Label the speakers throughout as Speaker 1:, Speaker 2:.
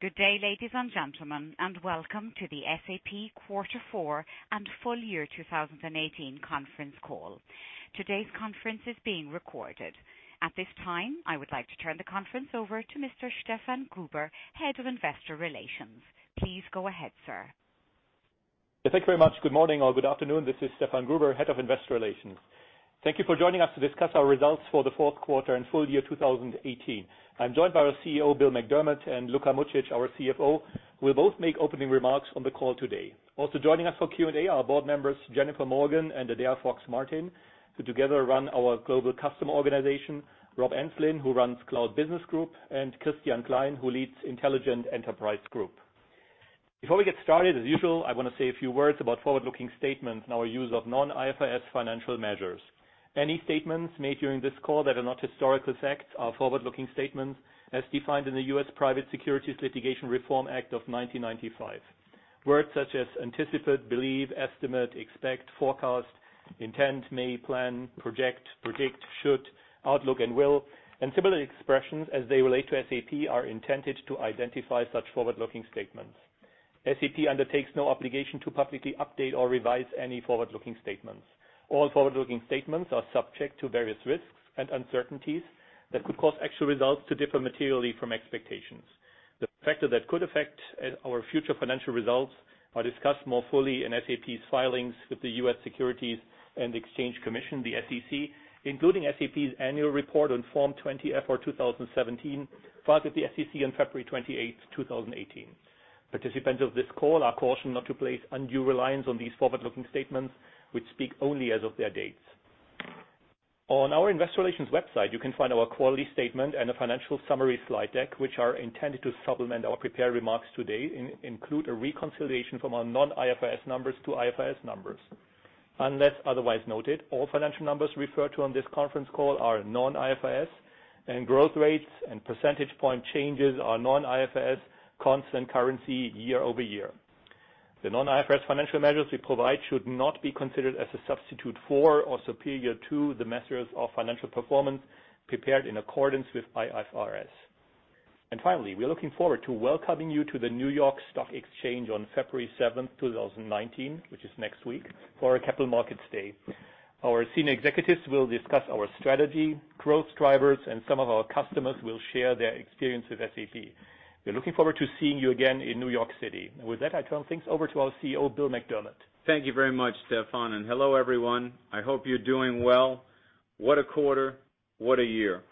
Speaker 1: Good day, ladies and gentlemen, and welcome to the SAP Quarter Four and Full Year 2018 Conference Call. Today's conference is being recorded. At this time, I would like to turn the conference over to Mr. Stefan Gruber, Head of Investor Relations. Please go ahead, sir.
Speaker 2: Thank you very much. Good morning or good afternoon. This is Stefan Gruber, Head of Investor Relations. Thank you for joining us to discuss our results for the fourth quarter and full year 2018. I'm joined by our CEO, Bill McDermott, and Luka Mucic, our CFO, who will both make opening remarks on the call today. Also joining us for Q&A are board members Jennifer Morgan and Adaire Fox-Martin, who together run our global customer organization, Rob Enslin, who runs Cloud Business Group, and Christian Klein, who leads Intelligent Enterprise Group. Before we get started, as usual, I want to say a few words about forward-looking statements and our use of non-IFRS financial measures. Any statements made during this call that are not historical facts are forward-looking statements as defined in the U.S. Private Securities Litigation Reform Act of 1995. Words such as anticipate, believe, estimate, expect, forecast, intend, may, plan, project, predict, should, outlook, and will, and similar expressions as they relate to SAP, are intended to identify such forward-looking statements. SAP undertakes no obligation to publicly update or revise any forward-looking statements. All forward-looking statements are subject to various risks and uncertainties that could cause actual results to differ materially from expectations. The factor that could affect our future financial results are discussed more fully in SAP's filings with the U.S. Securities and Exchange Commission, the SEC, including SAP's annual report on Form 20-F for 2017, filed with the SEC on February 28th, 2018. Participants of this call are cautioned not to place undue reliance on these forward-looking statements, which speak only as of their dates. On our investor relations website, you can find our quality statement and a financial summary slide deck, which are intended to supplement our prepared remarks today and include a reconciliation from our non-IFRS numbers to IFRS numbers. Unless otherwise noted, all financial numbers referred to on this conference call are non-IFRS, and growth rates and percentage point changes are non-IFRS constant currency year-over-year. The non-IFRS financial measures we provide should not be considered as a substitute for or superior to the measures of financial performance prepared in accordance with IFRS. Finally, we are looking forward to welcoming you to the New York Stock Exchange on February 7th, 2019, which is next week, for our Capital Markets Day. Our senior executives will discuss our strategy, growth drivers, and some of our customers will share their experience with SAP. We're looking forward to seeing you again in New York City. With that, I turn things over to our CEO, Bill McDermott.
Speaker 3: Thank you very much, Stefan. Hello, everyone. I hope you're doing well. What a quarter. What a year.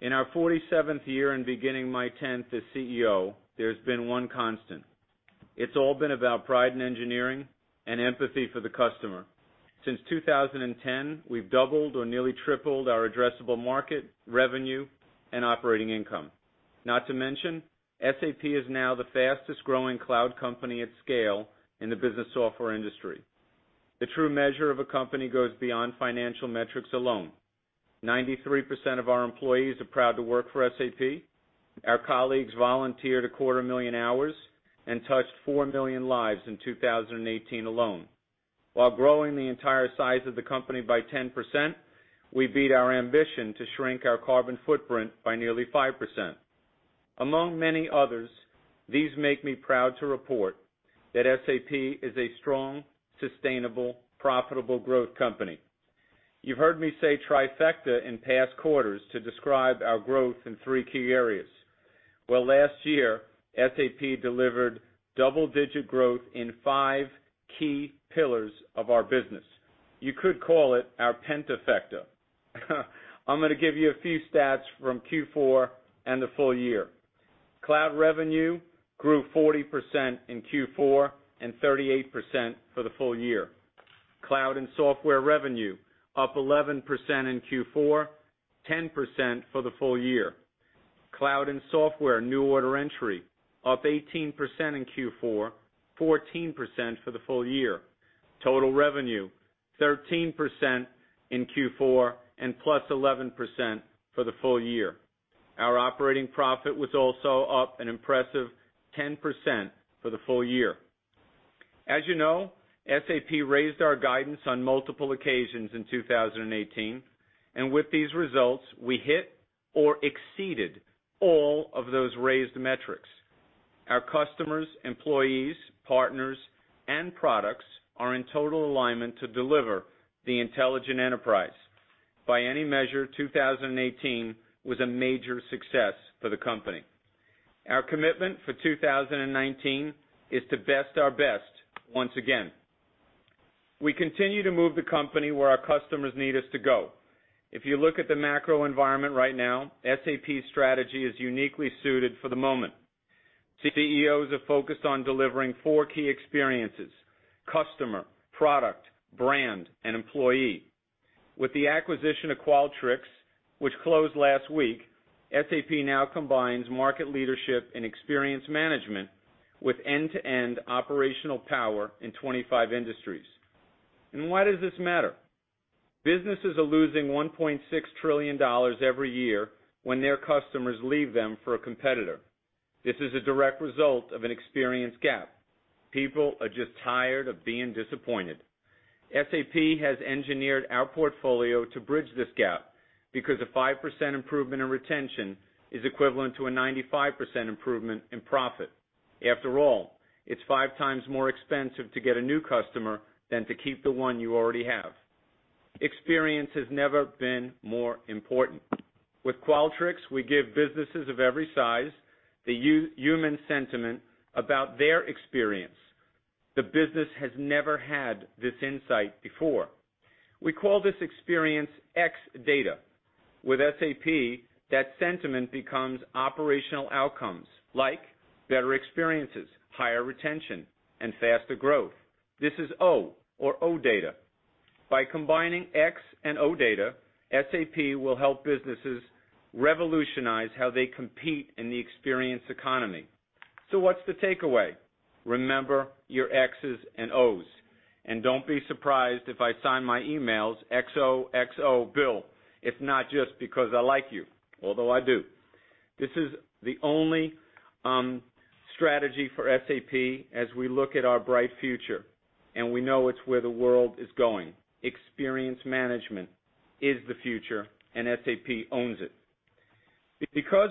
Speaker 3: In our 47th year and beginning my 10th as CEO, there's been one constant. It's all been about pride in engineering and empathy for the customer. Since 2010, we've doubled or nearly tripled our addressable market revenue and operating income. Not to mention, SAP is now the fastest growing cloud company at scale in the business software industry. The true measure of a company goes beyond financial metrics alone. 93% of our employees are proud to work for SAP. Our colleagues volunteered a quarter million hours and touched four million lives in 2018 alone. While growing the entire size of the company by 10%, we beat our ambition to shrink our carbon footprint by nearly 5%. Among many others, these make me proud to report that SAP is a strong, sustainable, profitable growth company. You've heard me say trifecta in past quarters to describe our growth in three key areas. Well, last year, SAP delivered double-digit growth in five key pillars of our business. You could call it our pentafecta. I'm going to give you a few stats from Q4 and the full year. Cloud revenue grew 40% in Q4 and 38% for the full year. Cloud and software revenue up 11% in Q4, 10% for the full year. Cloud and software new order entry up 18% in Q4, 14% for the full year. Total revenue, 13% in Q4 and +11% for the full year. Our operating profit was also up an impressive 10% for the full year. As you know, SAP raised our guidance on multiple occasions in 2018. With these results, we hit or exceeded all of those raised metrics. Our customers, employees, partners, and products are in total alignment to deliver the intelligent enterprise. By any measure, 2018 was a major success for the company. Our commitment for 2019 is to best our best once again. We continue to move the company where our customers need us to go. If you look at the macro environment right now, SAP's strategy is uniquely suited for the moment. CEOs are focused on delivering four key experiences, customer, product, brand, and employee. With the acquisition of Qualtrics, which closed last week, SAP now combines market leadership and experience management with end-to-end operational power in 25 industries. Why does this matter? Businesses are losing EUR 1.6 trillion every year when their customers leave them for a competitor. This is a direct result of an experience gap. People are just tired of being disappointed. SAP has engineered our portfolio to bridge this gap because a 5% improvement in retention is equivalent to a 95% improvement in profit. After all, it is five times more expensive to get a new customer than to keep the one you already have. Experience has never been more important. With Qualtrics, we give businesses of every size the human sentiment about their experience. The business has never had this insight before. We call this experience X-data. With SAP, that sentiment becomes operational outcomes like better experiences, higher retention, and faster growth. This is O or O-data. By combining X and O data, SAP will help businesses revolutionize how they compete in the experience economy. What's the takeaway? Remember your X's and O's. Don't be surprised if I sign my emails XOXO, Bill, if not just because I like you, although I do. This is the only strategy for SAP as we look at our bright future. We know it is where the world is going. Experience management is the future, and SAP owns it.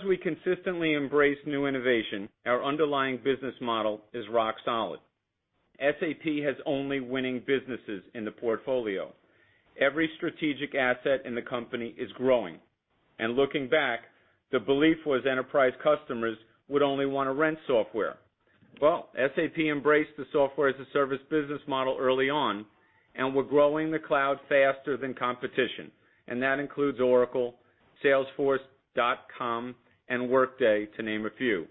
Speaker 3: We consistently embrace new innovation, our underlying business model is rock solid. SAP has only winning businesses in the portfolio. Every strategic asset in the company is growing. Looking back, the belief was enterprise customers would only want to rent software. SAP embraced the Software as a Service business model early on. We are growing the cloud faster than competition, and that includes Oracle, Salesforce.com, and Workday, to name a few.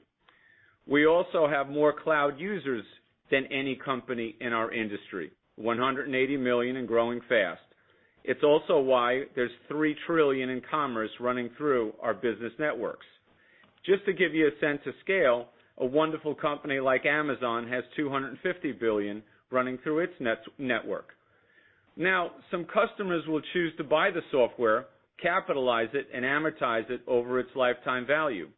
Speaker 3: We also have more cloud users than any company in our industry, 180 million and growing fast. It is also why there is 3 trillion in commerce running through our business networks. Just to give you a sense of scale, a wonderful company like Amazon has 250 billion running through its network. Some customers will choose to buy the software, capitalize it, and amortize it over its lifetime value.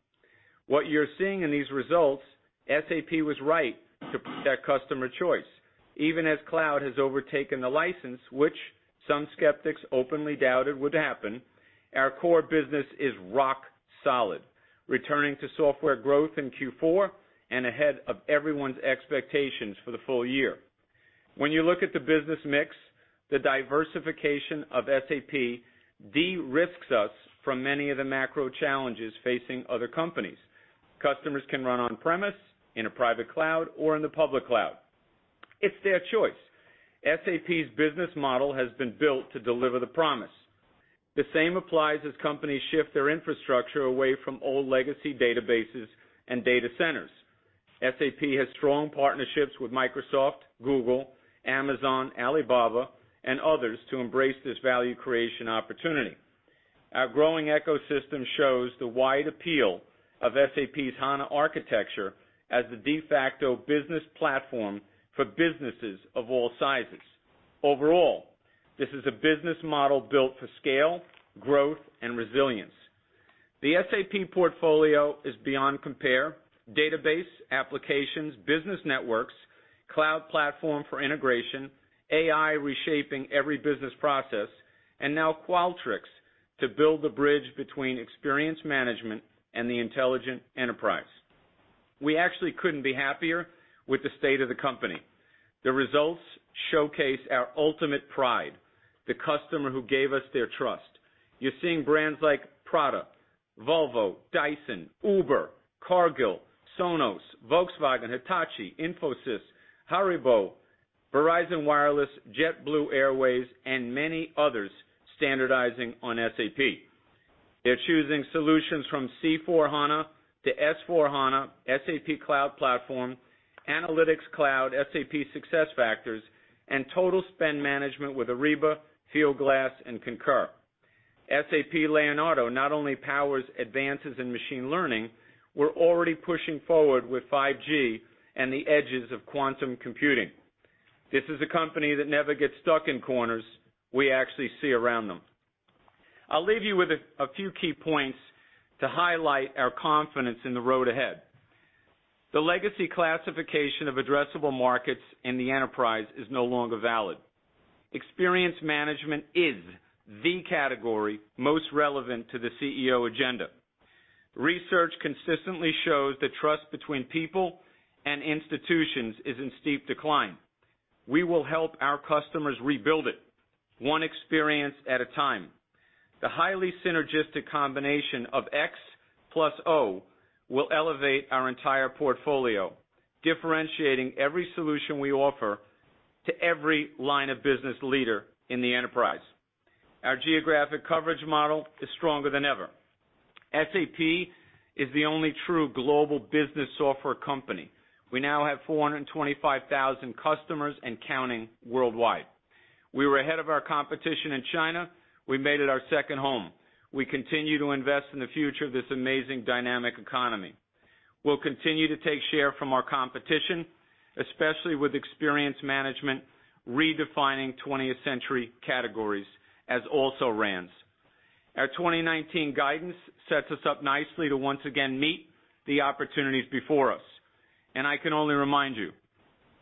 Speaker 3: What you are seeing in these results, SAP was right to put that customer choice. Even as cloud has overtaken the license, which some skeptics openly doubted would happen, our core business is rock solid, returning to software growth in Q4 and ahead of everyone's expectations for the full year. You look at the business mix, the diversification of SAP de-risks us from many of the macro challenges facing other companies. Customers can run on-premise, in a private cloud, or in the public cloud. It is their choice. SAP's business model has been built to deliver the promise. The same applies as companies shift their infrastructure away from old legacy databases and data centers. SAP has strong partnerships with Microsoft, Google, Amazon, Alibaba, and others to embrace this value creation opportunity. Our growing ecosystem shows the wide appeal of SAP's HANA architecture as the de facto business platform for businesses of all sizes. This is a business model built for scale, growth, and resilience. The SAP portfolio is beyond compare. Database, applications, business networks, cloud platform for integration, AI reshaping every business process, and now Qualtrics to build the bridge between experience management and the intelligent enterprise. We could not be happier with the state of the company. The results showcase our ultimate pride, the customer who gave us their trust. You are seeing brands like Prada, Volvo, Dyson, Uber, Cargill, Sonos, Volkswagen, Hitachi, Infosys, Haribo, Verizon Wireless, JetBlue Airways, and many others standardizing on SAP. They're choosing solutions from C/4HANA to S/4HANA, SAP Cloud Platform, Analytics Cloud, SAP SuccessFactors, and total spend management with Ariba, Fieldglass, and Concur. SAP Leonardo not only powers advances in machine learning, we're already pushing forward with 5G and the edges of quantum computing. This is a company that never gets stuck in corners. We actually see around them. I'll leave you with a few key points to highlight our confidence in the road ahead. The legacy classification of addressable markets in the enterprise is no longer valid. Experience management is the category most relevant to the CEO agenda. Research consistently shows that trust between people and institutions is in steep decline. We will help our customers rebuild it, one experience at a time. The highly synergistic combination of X plus O will elevate our entire portfolio, differentiating every solution we offer to every line of business leader in the enterprise. Our geographic coverage model is stronger than ever. SAP is the only true global business software company. We now have 425,000 customers and counting worldwide. We were ahead of our competition in China. We made it our second home. We continue to invest in the future of this amazing, dynamic economy. We'll continue to take share from our competition, especially with experience management redefining 20th century categories as also-rans. Our 2019 guidance sets us up nicely to once again meet the opportunities before us. I can only remind you,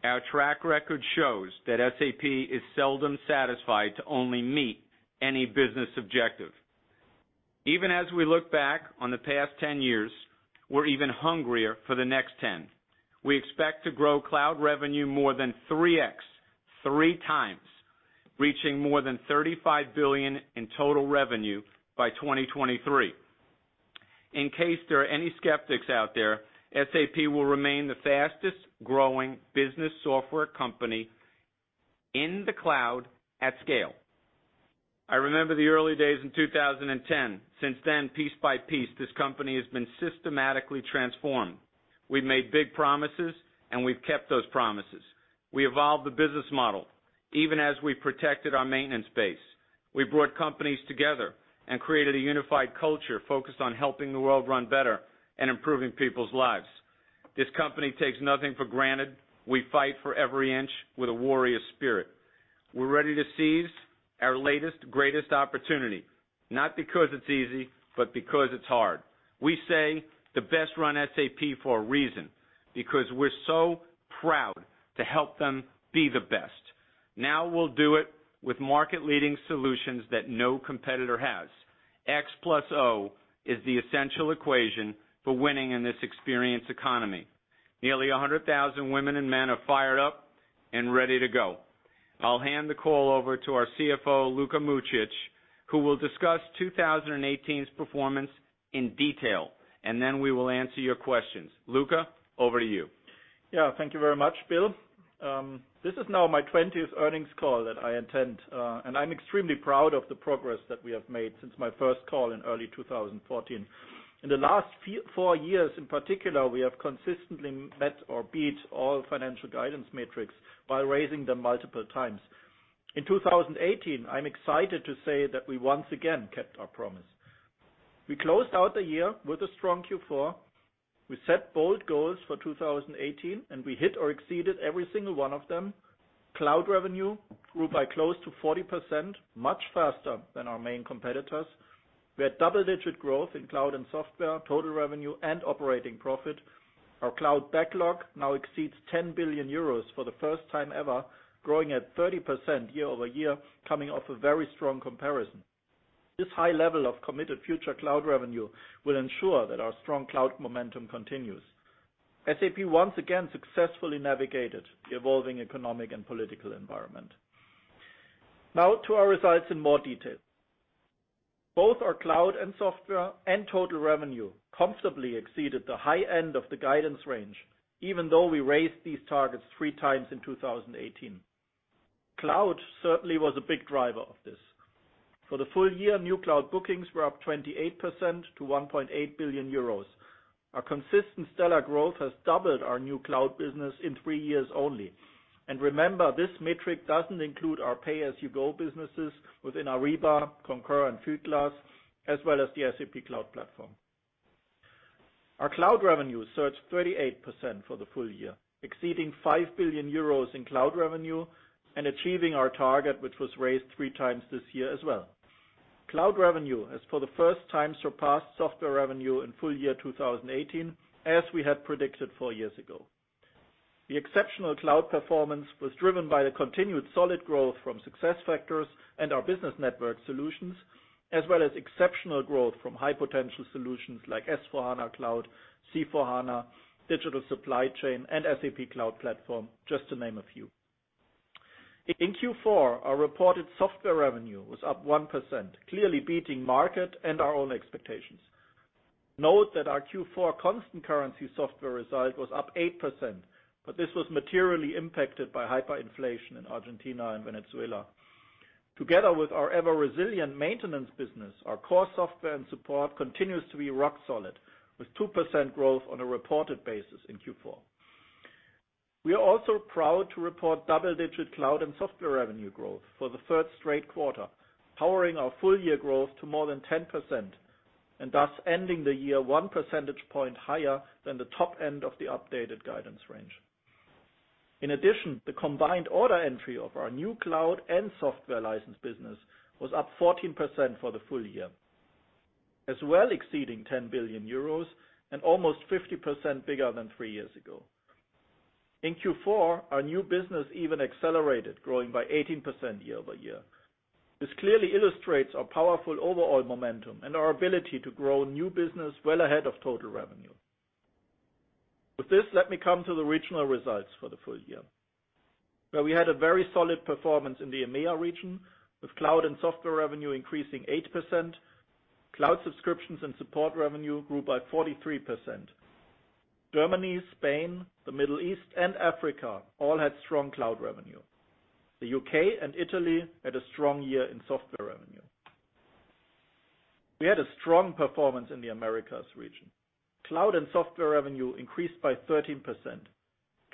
Speaker 3: our track record shows that SAP is seldom satisfied to only meet any business objective. Even as we look back on the past 10 years, we're even hungrier for the next 10. We expect to grow cloud revenue more than 3x, three times, reaching more than 35 billion in total revenue by 2023. In case there are any skeptics out there, SAP will remain the fastest-growing business software company in the cloud at scale. I remember the early days in 2010. Since then, piece by piece, this company has been systematically transformed. We've made big promises, and we've kept those promises. We evolved the business model, even as we protected our maintenance base. We brought companies together and created a unified culture focused on helping the world run better and improving people's lives. This company takes nothing for granted. We fight for every inch with a warrior spirit. We're ready to seize our latest, greatest opportunity, not because it's easy, but because it's hard. We say the best-run SAP for a reason, because we're so proud to help them be the best. Now we'll do it with market-leading solutions that no competitor has. X plus O is the essential equation for winning in this experience economy. Nearly 100,000 women and men are fired up and ready to go. I'll hand the call over to our CFO, Luka Mucic, who will discuss 2018's performance in detail, and then we will answer your questions. Luka, over to you.
Speaker 4: Yeah. Thank you very much, Bill. This is now my 20th earnings call that I attend, and I'm extremely proud of the progress that we have made since my first call in early 2014. In the last four years in particular, we have consistently met or beat all financial guidance metrics while raising them multiple times. In 2018, I'm excited to say that we once again kept our promise. We closed out the year with a strong Q4. We set bold goals for 2018, and we hit or exceeded every single one of them. Cloud revenue grew by close to 40%, much faster than our main competitors. We had double-digit growth in cloud and software, total revenue, and operating profit. Our cloud backlog now exceeds 10 billion euros for the first time ever, growing at 30% year-over-year, coming off a very strong comparison. This high level of committed future cloud revenue will ensure that our strong cloud momentum continues. SAP once again successfully navigated the evolving economic and political environment. Now to our results in more detail. Both our cloud and software and total revenue comfortably exceeded the high end of the guidance range, even though we raised these targets three times in 2018. Cloud certainly was a big driver of this. For the full year, new cloud bookings were up 28% to 1.8 billion euros. Our consistent stellar growth has doubled our new cloud business in three years only. Remember, this metric doesn't include our pay-as-you-go businesses within Ariba, Concur, and Fieldglass, as well as the SAP Cloud Platform. Our cloud revenue surged 38% for the full year, exceeding 5 billion euros in cloud revenue and achieving our target, which was raised three times this year as well. Cloud revenue has for the first time surpassed software revenue in full year 2018, as we had predicted four years ago. The exceptional cloud performance was driven by the continued solid growth from SuccessFactors and our business network solutions, as well as exceptional growth from high-potential solutions like S/4HANA Cloud, C/4HANA, Digital Supply Chain, and SAP Cloud Platform, just to name a few. In Q4, our reported software revenue was up 1%, clearly beating market and our own expectations. Note that our Q4 constant currency software result was up 8%, but this was materially impacted by hyperinflation in Argentina and Venezuela. Together with our ever-resilient maintenance business, our core software and support continues to be rock solid, with 2% growth on a reported basis in Q4. We are also proud to report double-digit cloud and software revenue growth for the third straight quarter, powering our full year growth to more than 10%, thus ending the year one percentage point higher than the top end of the updated guidance range. In addition, the combined order entry of our new cloud and software license business was up 14% for the full year, as well exceeding 10 billion euros and almost 50% bigger than three years ago. In Q4, our new business even accelerated, growing by 18% year-over-year. This clearly illustrates our powerful overall momentum and our ability to grow new business well ahead of total revenue. With this, let me come to the regional results for the full year, where we had a very solid performance in the EMEA region, with cloud and software revenue increasing 8%. Cloud subscriptions and support revenue grew by 43%. Germany, Spain, the Middle East, and Africa all had strong cloud revenue. The U.K. and Italy had a strong year in software revenue. We had a strong performance in the Americas region. Cloud and software revenue increased by 13%.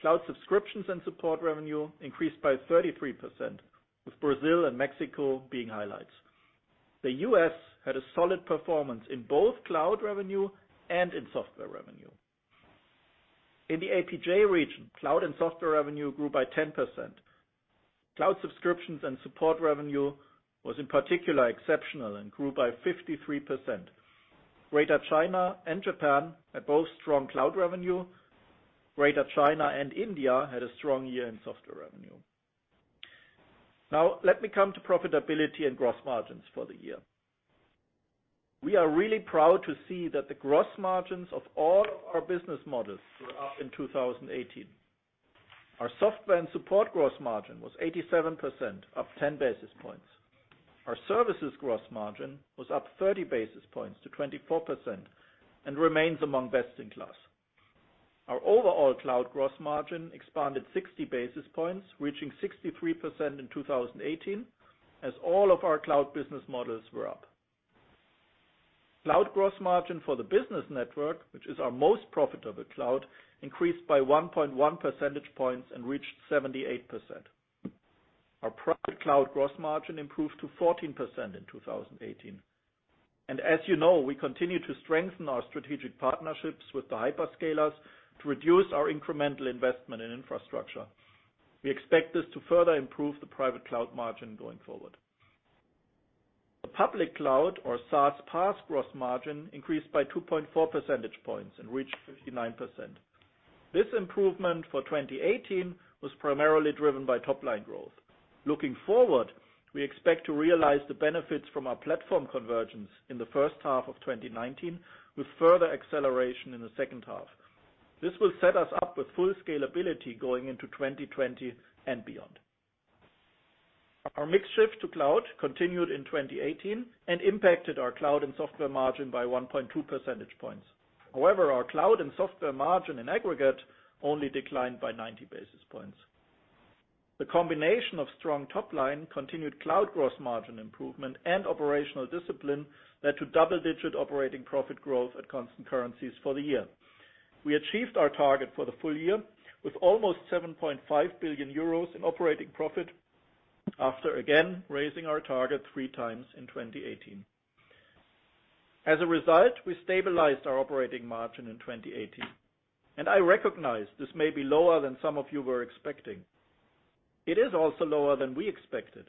Speaker 4: Cloud subscriptions and support revenue increased by 33%, with Brazil and Mexico being highlights. The U.S. had a solid performance in both cloud revenue and in software revenue. In the APJ region, cloud and software revenue grew by 10%. Cloud subscriptions and support revenue was in particular exceptional and grew by 53%. Greater China and Japan had both strong cloud revenue. Greater China and India had a strong year in software revenue. Let me come to profitability and gross margins for the year. We are really proud to see that the gross margins of all our business models were up in 2018. Our software and support gross margin was 87%, up 10 basis points. Our services gross margin was up 30 basis points to 24% and remains among best in class. Our overall cloud gross margin expanded 60 basis points, reaching 63% in 2018, as all of our cloud business models were up. Cloud gross margin for the business network, which is our most profitable cloud, increased by 1.1 percentage points and reached 78%. Our private cloud gross margin improved to 14% in 2018. As you know, we continue to strengthen our strategic partnerships with the hyperscalers to reduce our incremental investment in infrastructure. We expect this to further improve the private cloud margin going forward. The public cloud or SaaS PaaS gross margin increased by 2.4 percentage points and reached 59%. This improvement for 2018 was primarily driven by top-line growth. Looking forward, we expect to realize the benefits from our platform convergence in the first half of 2019, with further acceleration in the second half. This will set us up with full scalability going into 2020 and beyond. Our mix shift to cloud continued in 2018 and impacted our cloud and software margin by 1.2 percentage points. However, our cloud and software margin in aggregate only declined by 90 basis points. The combination of strong top line, continued cloud gross margin improvement, and operational discipline led to double-digit operating profit growth at constant currencies for the year. We achieved our target for the full year with almost 7.5 billion euros in operating profit after again raising our target three times in 2018. As a result, we stabilized our operating margin in 2018. I recognize this may be lower than some of you were expecting. It is also lower than we expected,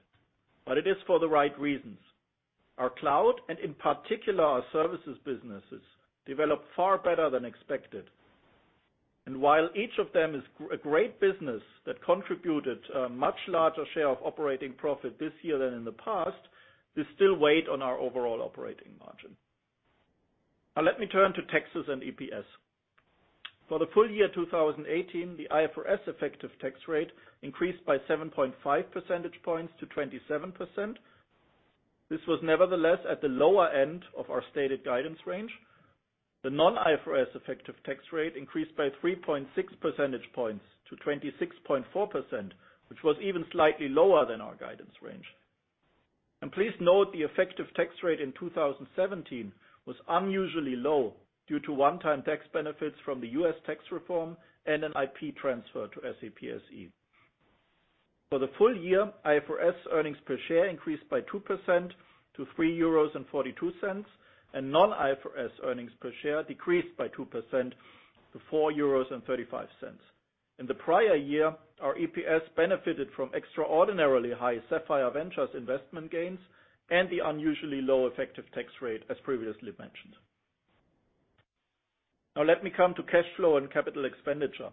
Speaker 4: it is for the right reasons. Our cloud, and in particular our services businesses, developed far better than expected. While each of them is a great business that contributed a much larger share of operating profit this year than in the past, they still weighed on our overall operating margin. Let me turn to taxes and EPS. For the full year 2018, the IFRS effective tax rate increased by 7.5 percentage points to 27%. This was nevertheless at the lower end of our stated guidance range. The non-IFRS effective tax rate increased by 3.6 percentage points to 26.4%, which was even slightly lower than our guidance range. Please note the effective tax rate in 2017 was unusually low due to one-time tax benefits from the U.S. tax reform and an IP transfer to SAP SE. For the full year, IFRS earnings per share increased by 2% to 3.42 euros, and non-IFRS earnings per share decreased by 2% to 4.35 euros. In the prior year, our EPS benefited from extraordinarily high Sapphire Ventures investment gains and the unusually low effective tax rate, as previously mentioned. Let me come to cash flow and capital expenditure.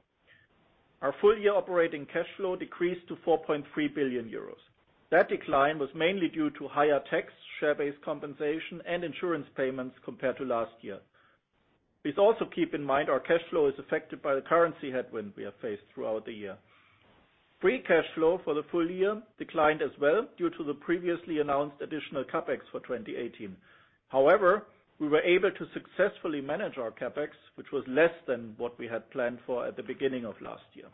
Speaker 4: Our full-year operating cash flow decreased to 4.3 billion euros. That decline was mainly due to higher tax, share-based compensation, and insurance payments compared to last year. Please also keep in mind our cash flow is affected by the currency headwind we have faced throughout the year. Free cash flow for the full year declined as well due to the previously announced additional CapEx for 2018. We were able to successfully manage our CapEx, which was less than what we had planned for at the beginning of last year.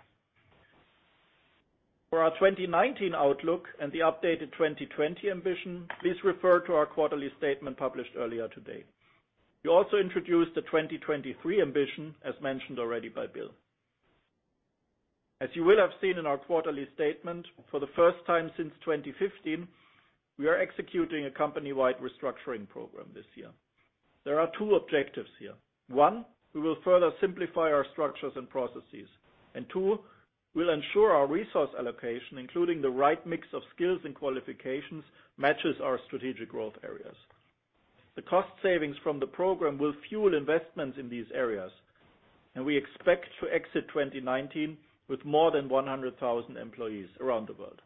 Speaker 4: For our 2019 outlook and the updated 2020 ambition, please refer to our quarterly statement published earlier today. We also introduced the 2023 ambition, as mentioned already by Bill. As you will have seen in our quarterly statement, for the first time since 2015, we are executing a company-wide restructuring program this year. There are two objectives here. One, we will further simplify our structures and processes. Two, we'll ensure our resource allocation, including the right mix of skills and qualifications, matches our strategic growth areas. The cost savings from the program will fuel investments in these areas, and we expect to exit 2019 with more than 100,000 employees around the world.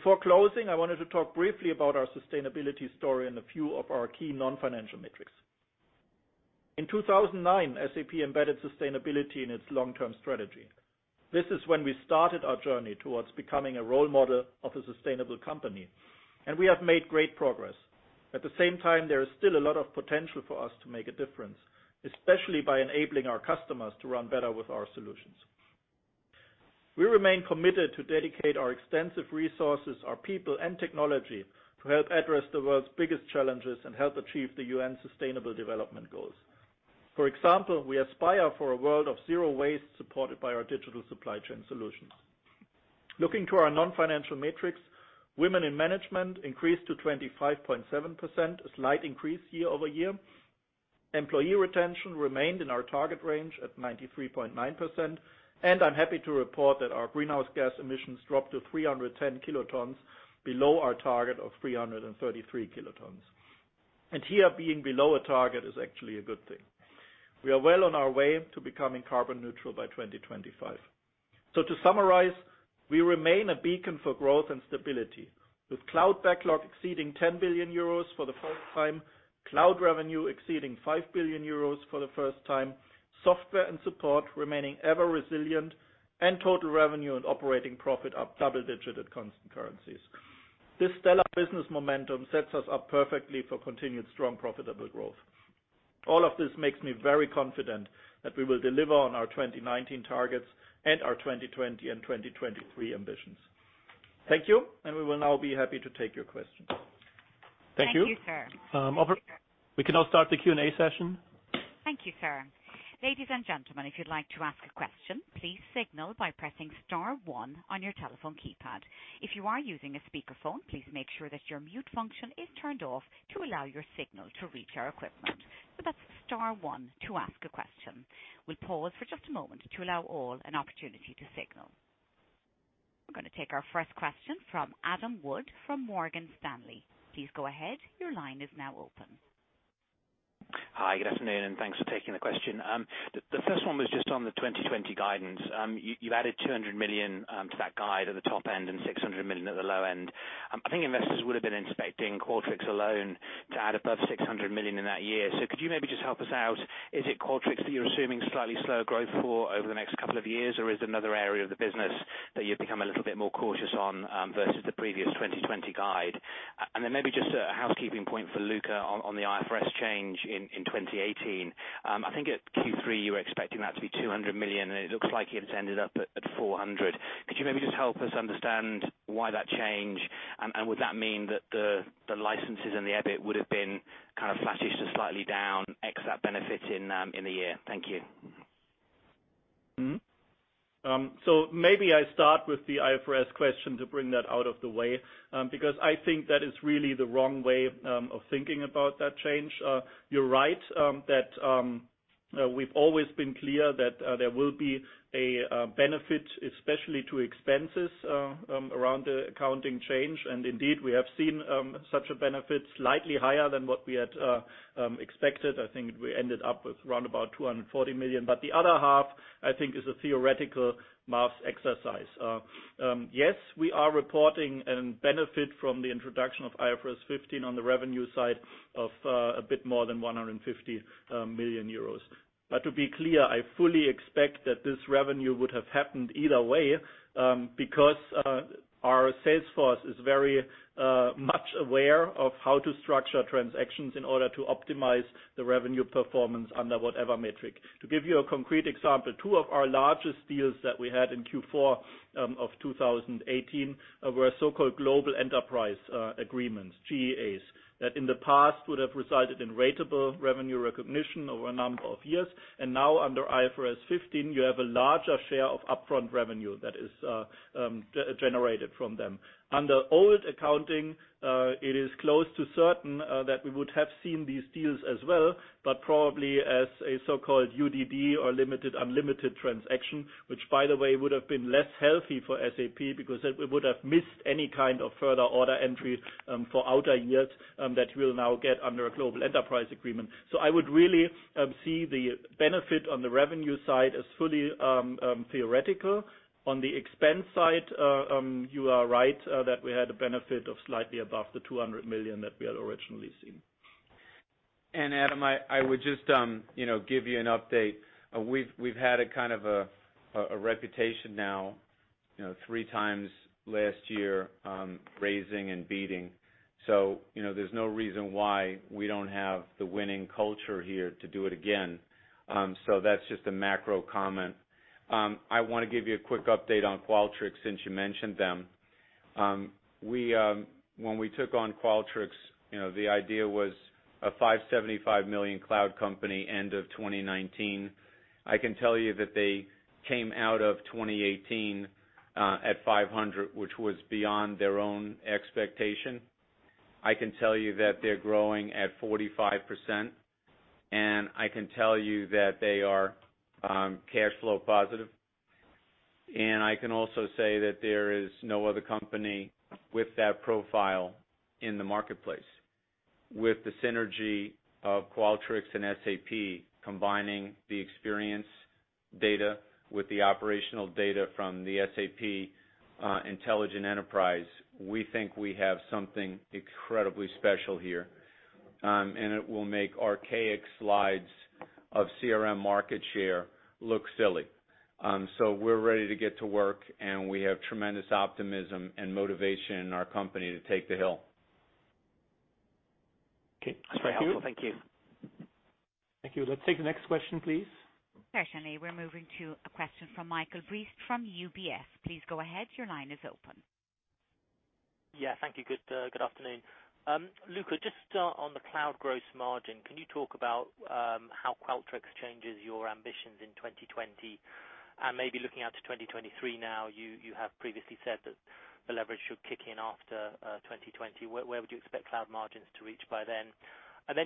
Speaker 4: Before closing, I wanted to talk briefly about our sustainability story and a few of our key non-financial metrics. In 2009, SAP embedded sustainability in its long-term strategy. This is when we started our journey towards becoming a role model of a sustainable company, and we have made great progress. At the same time, there is still a lot of potential for us to make a difference, especially by enabling our customers to run better with our solutions. We remain committed to dedicate our extensive resources, our people, and technology to help address the world's biggest challenges and help achieve the UN Sustainable Development Goals. For example, we aspire for a world of zero waste supported by our digital supply chain solutions. Looking to our non-financial metrics, women in management increased to 25.7%, a slight increase year-over-year. Employee retention remained in our target range at 93.9%, and I'm happy to report that our greenhouse gas emissions dropped to 310 kilotons, below our target of 333 kilotons. Here, being below a target is actually a good thing. We are well on our way to becoming carbon neutral by 2025. To summarize, we remain a beacon for growth and stability, with cloud backlog exceeding 10 billion euros for the first time, cloud revenue exceeding 5 billion euros for the first time, software and support remaining ever resilient, and total revenue and operating profit up double digits at constant currencies. This stellar business momentum sets us up perfectly for continued strong, profitable growth. All of this makes me very confident that we will deliver on our 2019 targets and our 2020 and 2023 ambitions. Thank you. We will now be happy to take your questions.
Speaker 3: Thank you.
Speaker 1: Thank you, sir.
Speaker 3: Operator, we can now start the Q&A session.
Speaker 1: Thank you, sir. Ladies and gentlemen, if you'd like to ask a question, please signal by pressing star one on your telephone keypad. If you are using a speakerphone, please make sure that your mute function is turned off to allow your signal to reach our equipment. That's star one to ask a question. We'll pause for just a moment to allow all an opportunity to signal. We're going to take our first question from Adam Wood from Morgan Stanley. Please go ahead. Your line is now open.
Speaker 5: Hi. Good afternoon, and thanks for taking the question. The first one was just on the 2020 guidance. You've added 200 million to that guide at the top end and 600 million at the low end. I think investors would've been expecting Qualtrics alone to add above 600 million in that year. Could you maybe just help us out? Is it Qualtrics that you're assuming slightly slower growth for over the next couple of years, or is it another area of the business that you've become a little bit more cautious on, versus the previous 2020 guide? Maybe just a housekeeping point for Luka on the IFRS change in 2018. I think at Q3, you were expecting that to be 200 million, and it looks like it's ended up at 400 million. Could you maybe just help us understand why that change, and would that mean that the licenses and the EBIT would've been kind of flattish to slightly down x that benefit in the year? Thank you.
Speaker 4: Maybe I start with the IFRS question to bring that out of the way, because I think that is really the wrong way of thinking about that change. You're right that we've always been clear that there will be a benefit, especially to expenses, around the accounting change, and indeed, we have seen such a benefit, slightly higher than what we had expected. I think we ended up with around about 240 million. The other half, I think, is a theoretical maths exercise. Yes, we are reporting a benefit from the introduction of IFRS 15 on the revenue side of a bit more than 150 million euros. To be clear, I fully expect that this revenue would have happened either way, because our sales force is very much aware of how to structure transactions in order to optimize the revenue performance under whatever metric. To give you a concrete example, two of our largest deals that we had in Q4 of 2018 were so-called global enterprise agreements, GEAs, that in the past would have resulted in ratable revenue recognition over a number of years. Now under IFRS 15, you have a larger share of upfront revenue that is generated from them. Under old accounting, it is close to certain that we would have seen these deals as well, but probably as a so-called UDD or limited unlimited transaction. Which, by the way, would've been less healthy for SAP because it would've missed any kind of further order entries for outer years that we'll now get under a global enterprise agreement. I would really see the benefit on the revenue side as fully theoretical. On the expense side, you are right that we had a benefit of slightly above 200 million that we had originally seen.
Speaker 3: Adam, I would just give you an update. We've had a kind of a reputation now, three times last year, raising and beating. There's no reason why we don't have the winning culture here to do it again. That's just a macro comment. I want to give you a quick update on Qualtrics since you mentioned them. When we took on Qualtrics, the idea was a 575 million cloud company end of 2019. I can tell you that they came out of 2018 at 500 million, which was beyond their own expectation. I can tell you that they're growing at 45%, and I can tell you that they are cash flow positive. I can also say that there is no other company with that profile in the marketplace. With the synergy of Qualtrics and SAP combining the X-data with the O-data from the SAP intelligent enterprise, we think we have something incredibly special here, and it will make archaic slides of CRM market share look silly. We're ready to get to work, and we have tremendous optimism and motivation in our company to take the hill.
Speaker 5: Okay. That's very helpful. Thank you.
Speaker 2: Thank you. Let's take the next question, please.
Speaker 1: Certainly. We're moving to a question from Michael Briest from UBS. Please go ahead. Your line is open.
Speaker 6: Yeah. Thank you. Good afternoon. Luka, just start on the cloud gross margin. Can you talk about how Qualtrics changes your ambitions in 2020? Maybe looking out to 2023 now, you have previously said that the leverage should kick in after 2020. Where would you expect cloud margins to reach by then?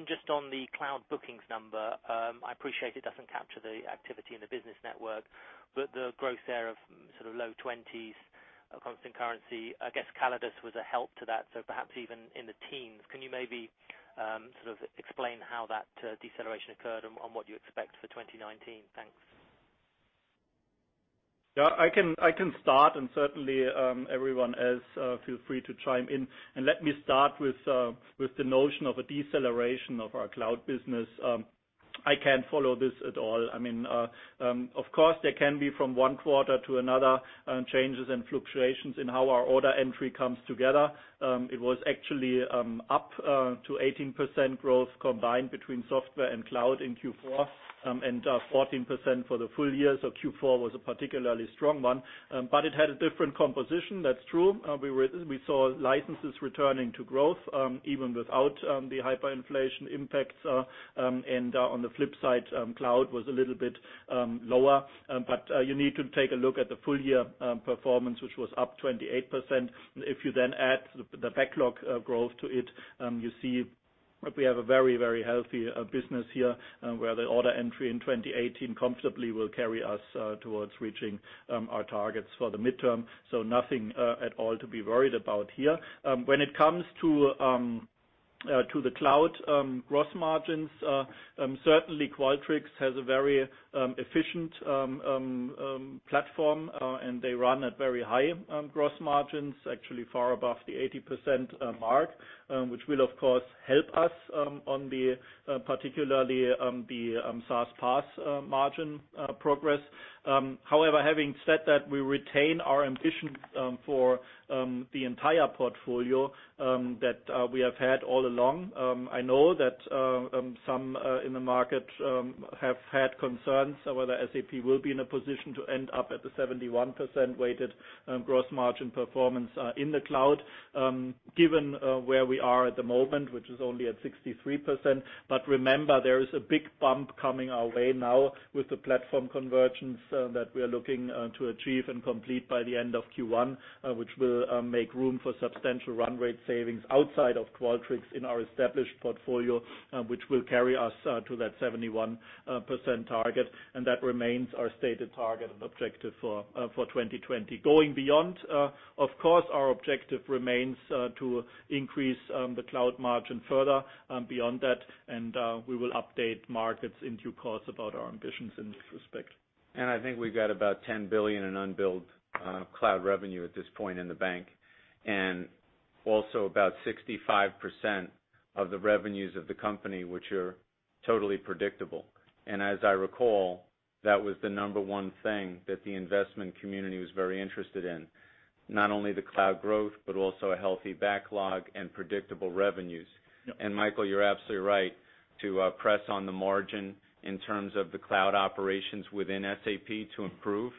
Speaker 6: Just on the cloud bookings number, I appreciate it doesn't capture the activity in the business network, but the growth there of sort of low 20s constant currency, I guess Callidus was a help to that, so perhaps even in the teens. Can you maybe explain how that deceleration occurred and on what you expect for 2019? Thanks.
Speaker 4: Yeah, I can start and certainly, everyone else, feel free to chime in. Let me start with the notion of a deceleration of our cloud business. I can't follow this at all. Of course, there can be from one quarter to another, changes and fluctuations in how our order entry comes together. It was actually up to 18% growth combined between software and cloud in Q4, and 14% for the full year. Q4 was a particularly strong one. It had a different composition, that's true. We saw licenses returning to growth, even without the hyperinflation impacts. On the flip side, cloud was a little bit lower. You need to take a look at the full year performance, which was up 28%. If you add the backlog growth to it, you see we have a very healthy business here, where the order entry in 2018 comfortably will carry us towards reaching our targets for the midterm. Nothing at all to be worried about here. When it comes to the cloud gross margins, certainly Qualtrics has a very efficient platform, and they run at very high gross margins, actually far above the 80% mark, which will, of course, help us on particularly the SaaS PaaS margin progress. However, having said that, we retain our ambition for the entire portfolio that we have had all along. I know that some in the market have had concerns whether SAP will be in a position to end up at the 71% weighted gross margin performance in the cloud, given where we are at the moment, which is only at 63%. Remember, there is a big bump coming our way now with the platform convergence that we're looking to achieve and complete by the end of Q1, which will make room for substantial run rate savings outside of Qualtrics in our established portfolio, which will carry us to that 71% target. That remains our stated target and objective for 2020. Going beyond, of course, our objective remains to increase the cloud margin further beyond that, we will update markets in due course about our ambitions in this respect.
Speaker 3: I think we've got about 10 billion in unbilled cloud revenue at this point in the bank. Also about 65% of the revenues of the company, which are totally predictable. As I recall, that was the number one thing that the investment community was very interested in. Not only the cloud growth, but also a healthy backlog and predictable revenues.
Speaker 4: Yeah.
Speaker 3: Michael, you're absolutely right to press on the margin in terms of the cloud operations within SAP to improve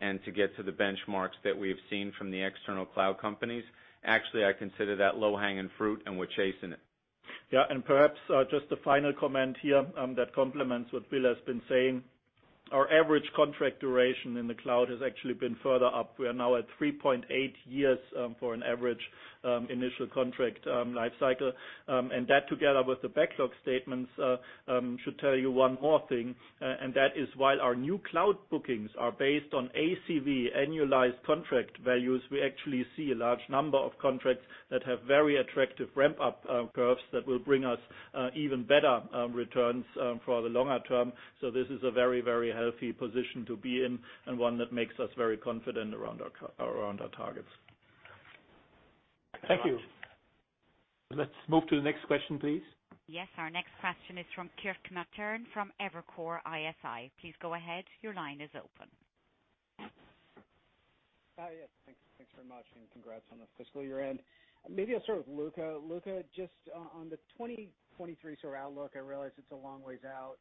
Speaker 3: and to get to the benchmarks that we have seen from the external cloud companies. Actually, I consider that low-hanging fruit, we're chasing it.
Speaker 4: Yeah. Perhaps, just a final comment here that complements what Bill has been saying. Our average contract duration in the cloud has actually been further up. We are now at 3.8 years for an average initial contract life cycle. That together with the backlog statements, should tell you one more thing, and that is while our new cloud bookings are based on ACV, annualized contract values, we actually see a large number of contracts that have very attractive ramp-up curves that will bring us even better returns for the longer term. This is a very healthy position to be in and one that makes us very confident around our targets.
Speaker 6: Thank you.
Speaker 2: Let's move to the next question, please.
Speaker 1: Yes. Our next question is from Kirk Materne from Evercore ISI. Please go ahead. Your line is open.
Speaker 7: Yes. Thanks very much, and congrats on the fiscal year-end. Maybe I'll start with Luka. Luka, just on the 2023 sort of outlook, I realize it's a long ways out.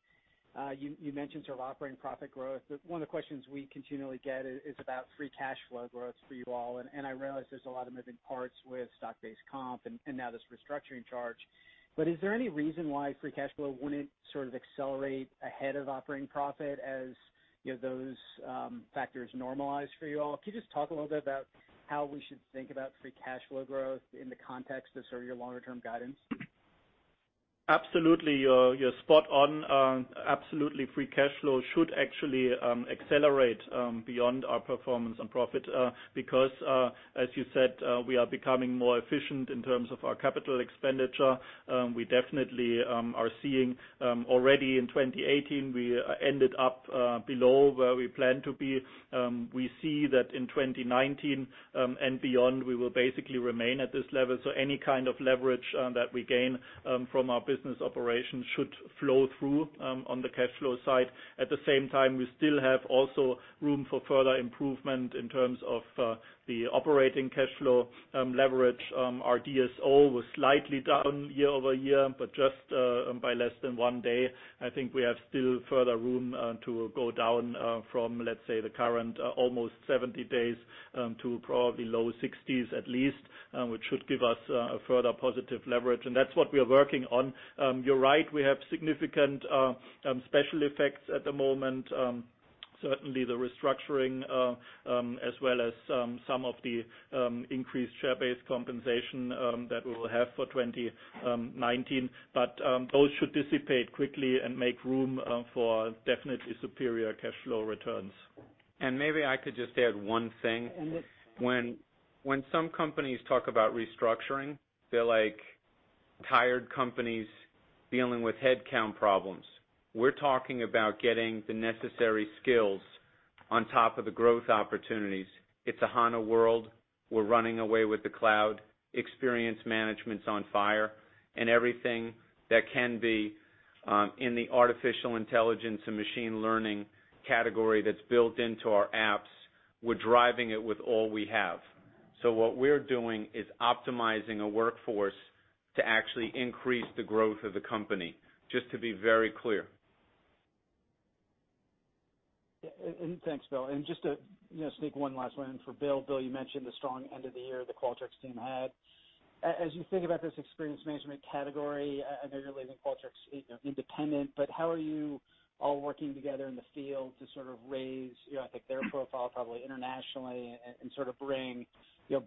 Speaker 7: You mentioned sort of operating profit growth. One of the questions we continually get is about free cash flow growth for you all, I realize there's a lot of moving parts with stock-based comp and now this restructuring charge. Is there any reason why free cash flow wouldn't sort of accelerate ahead of operating profit as those factors normalize for you all? Can you just talk a little bit about how we should think about free cash flow growth in the context of sort of your longer-term guidance?
Speaker 4: Absolutely. You're spot on. Absolutely, free cash flow should actually accelerate beyond our performance on profit, because, as you said, we are becoming more efficient in terms of our capital expenditure. We definitely are seeing already in 2018, we ended up below where we planned to be. We see that in 2019, and beyond, we will basically remain at this level. Any kind of leverage that we gain from our business operations should flow through on the cash flow side. At the same time, we still have also room for further improvement in terms of the operating cash flow leverage. Our DSO was slightly down year-over-year, but just by less than one day. I think we have still further room to go down from, let's say, the current almost 70 days to probably low 60s at least, which should give us a further positive leverage. That's what we are working on. You're right, we have significant special effects at the moment. Certainly the restructuring, as well as some of the increased share-based compensation that we will have for 2019. Those should dissipate quickly and make room for definitely superior cash flow returns.
Speaker 3: Maybe I could just add one thing.
Speaker 4: Yes.
Speaker 3: When some companies talk about restructuring, they're like tired companies dealing with headcount problems. We're talking about getting the necessary skills on top of the growth opportunities. It's a HANA world. We're running away with the cloud. Experience management's on fire. Everything that can be in the artificial intelligence and machine learning category that's built into our apps, we're driving it with all we have. What we're doing is optimizing a workforce to actually increase the growth of the company. Just to be very clear.
Speaker 7: Thanks, Bill. Just to sneak one last one in for Bill. Bill, you mentioned the strong end of the year the Qualtrics team had. As you think about this experience management category, I know you're leaving Qualtrics independent, but how are you all working together in the field to sort of raise, I think, their profile probably internationally and sort of bring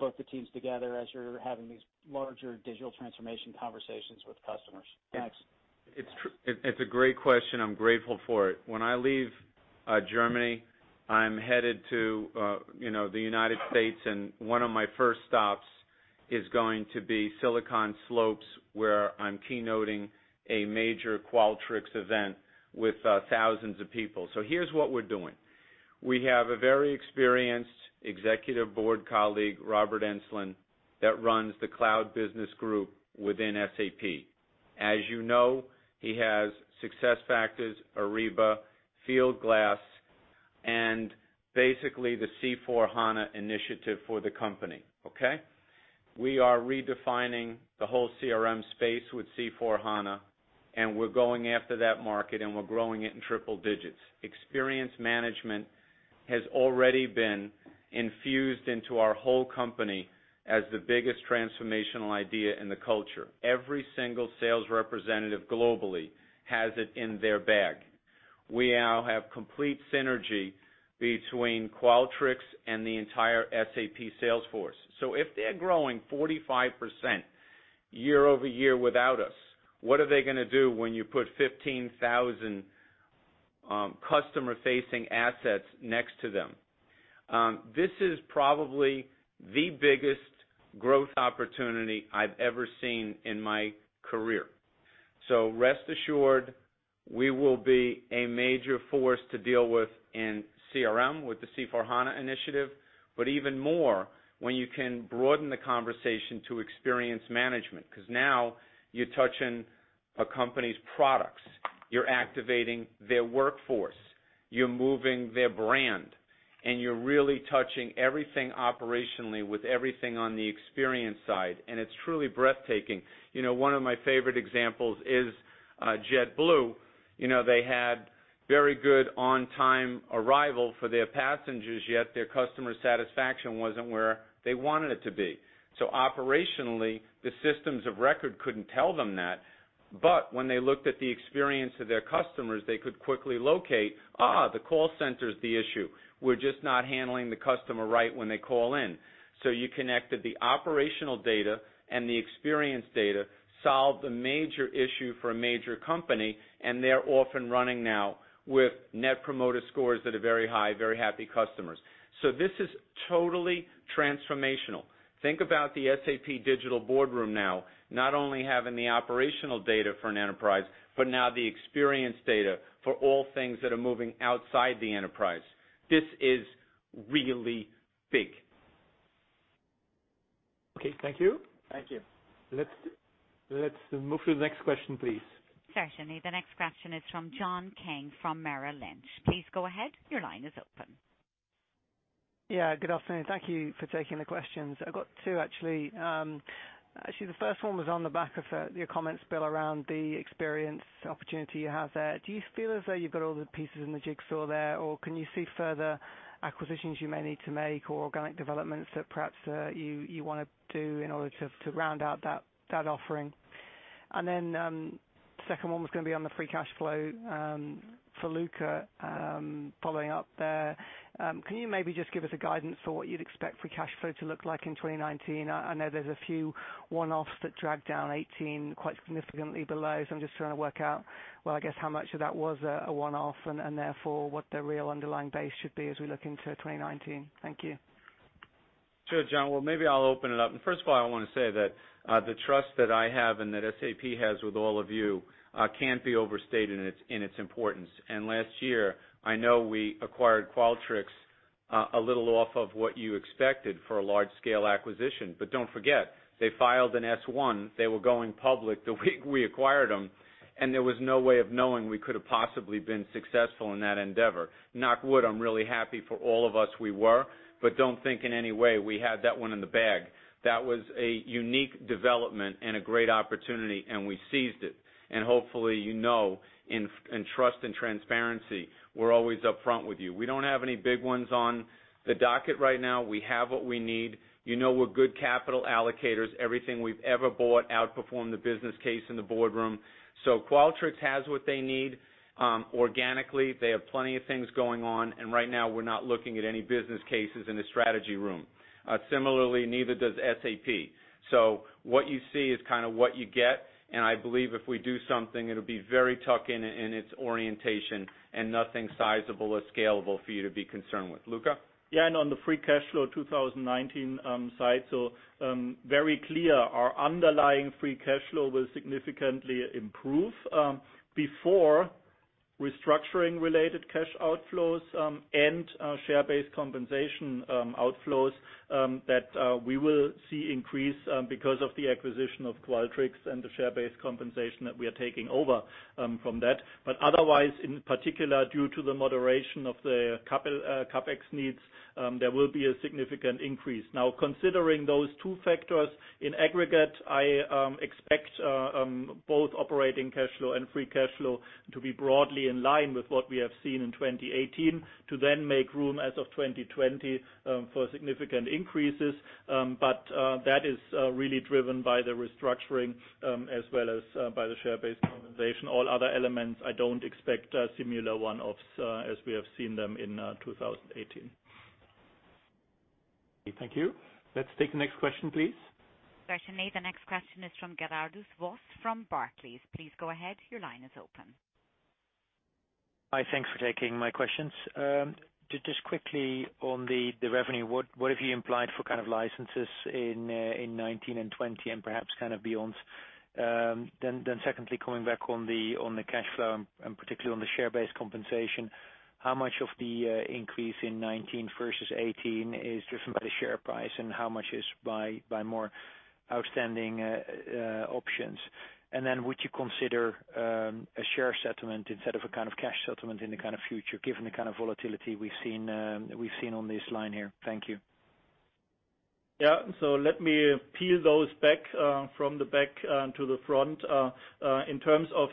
Speaker 7: both the teams together as you're having these larger digital transformation conversations with customers? Thanks.
Speaker 3: It's a great question. I'm grateful for it. When I leave Germany, I'm headed to the United States, and one of my first stops is going to be Silicon Slopes, where I'm keynoting a major Qualtrics event with thousands of people. Here's what we're doing. We have a very experienced executive board colleague, Robert Enslin, that runs the cloud business group within SAP. As you know, he has SuccessFactors, Ariba, Fieldglass, and basically the C/4HANA initiative for the company. Okay? We are redefining the whole CRM space with C/4HANA, and we're going after that market, and we're growing it in triple digits. Experience management has already been infused into our whole company as the biggest transformational idea in the culture. Every single sales representative globally has it in their bag. We now have complete synergy between Qualtrics and the entire SAP sales force. If they're growing 45% year-over-year without us, what are they going to do when you put 15,000 customer-facing assets next to them? This is probably the biggest growth opportunity I've ever seen in my career. Rest assured, we will be a major force to deal with in CRM with the C/4HANA initiative, but even more when you can broaden the conversation to experience management. Now you're touching a company's products, you're activating their workforce, you're moving their brand, and you're really touching everything operationally with everything on the experience side, and it's truly breathtaking. One of my favorite examples is JetBlue. They had very good on-time arrival for their passengers, yet their customer satisfaction wasn't where they wanted it to be. Operationally, the systems of record couldn't tell them that. When they looked at the experience of their customers, they could quickly locate, "The call center is the issue. We're just not handling the customer right when they call in." You connected the operational data and the experience data, solved a major issue for a major company, and they're off and running now with net promoter scores that are very high, very happy customers. This is totally transformational. Think about the SAP Digital Boardroom now, not only having the operational data for an enterprise, but now the experience data for all things that are moving outside the enterprise. This is really big.
Speaker 7: Okay. Thank you.
Speaker 3: Thank you.
Speaker 2: Let's move to the next question, please.
Speaker 1: Certainly. The next question is from John King from Merrill Lynch. Please go ahead. Your line is open.
Speaker 8: Yeah, good afternoon. Thank you for taking the questions. I've got two, actually. Actually, the first one was on the back of your comments, Bill, around the experience opportunity you have there. Do you feel as though you've got all the pieces in the jigsaw there, or can you see further acquisitions you may need to make, or organic developments that perhaps you want to do in order to round out that offering? Then, second one was going to be on the free cash flow. For Luka, following up there, can you maybe just give us a guidance for what you'd expect free cash flow to look like in 2019? I know there's a few one-offs that dragged down 2018 quite significantly below, I'm just trying to work out, well, I guess, how much of that was a one-off, and therefore, what the real underlying base should be as we look into 2019. Thank you.
Speaker 3: Sure, John. Well, maybe I'll open it up. First of all, I want to say that, the trust that I have and that SAP has with all of you can't be overstated in its importance. Last year, I know we acquired Qualtrics. A little off of what you expected for a large-scale acquisition. Don't forget, they filed an S1. They were going public the week we acquired them, and there was no way of knowing we could have possibly been successful in that endeavor. Knock wood, I'm really happy for all of us we were, don't think in any way we had that one in the bag. That was a unique development and a great opportunity, and we seized it. Hopefully you know in trust and transparency, we're always upfront with you. We don't have any big ones on the docket right now. We have what we need. You know we're good capital allocators. Everything we've ever bought outperformed the business case in the boardroom. Qualtrics has what they need. Organically, they have plenty of things going on, and right now, we're not looking at any business cases in the strategy room. Similarly, neither does SAP. What you see is what you get, and I believe if we do something, it'll be very tuck-in in its orientation and nothing sizable or scalable for you to be concerned with. Luka?
Speaker 4: Yeah, on the free cash flow 2019 side, very clear our underlying free cash flow will significantly improve before restructuring related cash outflows and share-based compensation outflows that we will see increase because of the acquisition of Qualtrics and the share-based compensation that we are taking over from that. But otherwise, in particular, due to the moderation of the CapEx needs, there will be a significant increase. Now considering those two factors in aggregate, I expect both operating cash flow and free cash flow to be broadly in line with what we have seen in 2018 to then make room as of 2020 for significant increases. But that is really driven by the restructuring, as well as by the share-based compensation. All other elements, I don't expect similar one-offs as we have seen them in 2018.
Speaker 2: Thank you. Let's take the next question, please.
Speaker 1: Certainly. The next question is from Gerardus Vos from Barclays. Please go ahead. Your line is open.
Speaker 9: Hi. Thanks for taking my questions. Just quickly on the revenue, what have you implied for licenses in 2019 and 2020 and perhaps beyond? Secondly, coming back on the cash flow and particularly on the share-based compensation, how much of the increase in 2019 versus 2018 is driven by the share price and how much is by more outstanding options? Would you consider a share settlement instead of a kind of cash settlement in the future, given the kind of volatility we've seen on this line here? Thank you.
Speaker 4: Yeah. Let me peel those back from the back to the front. In terms of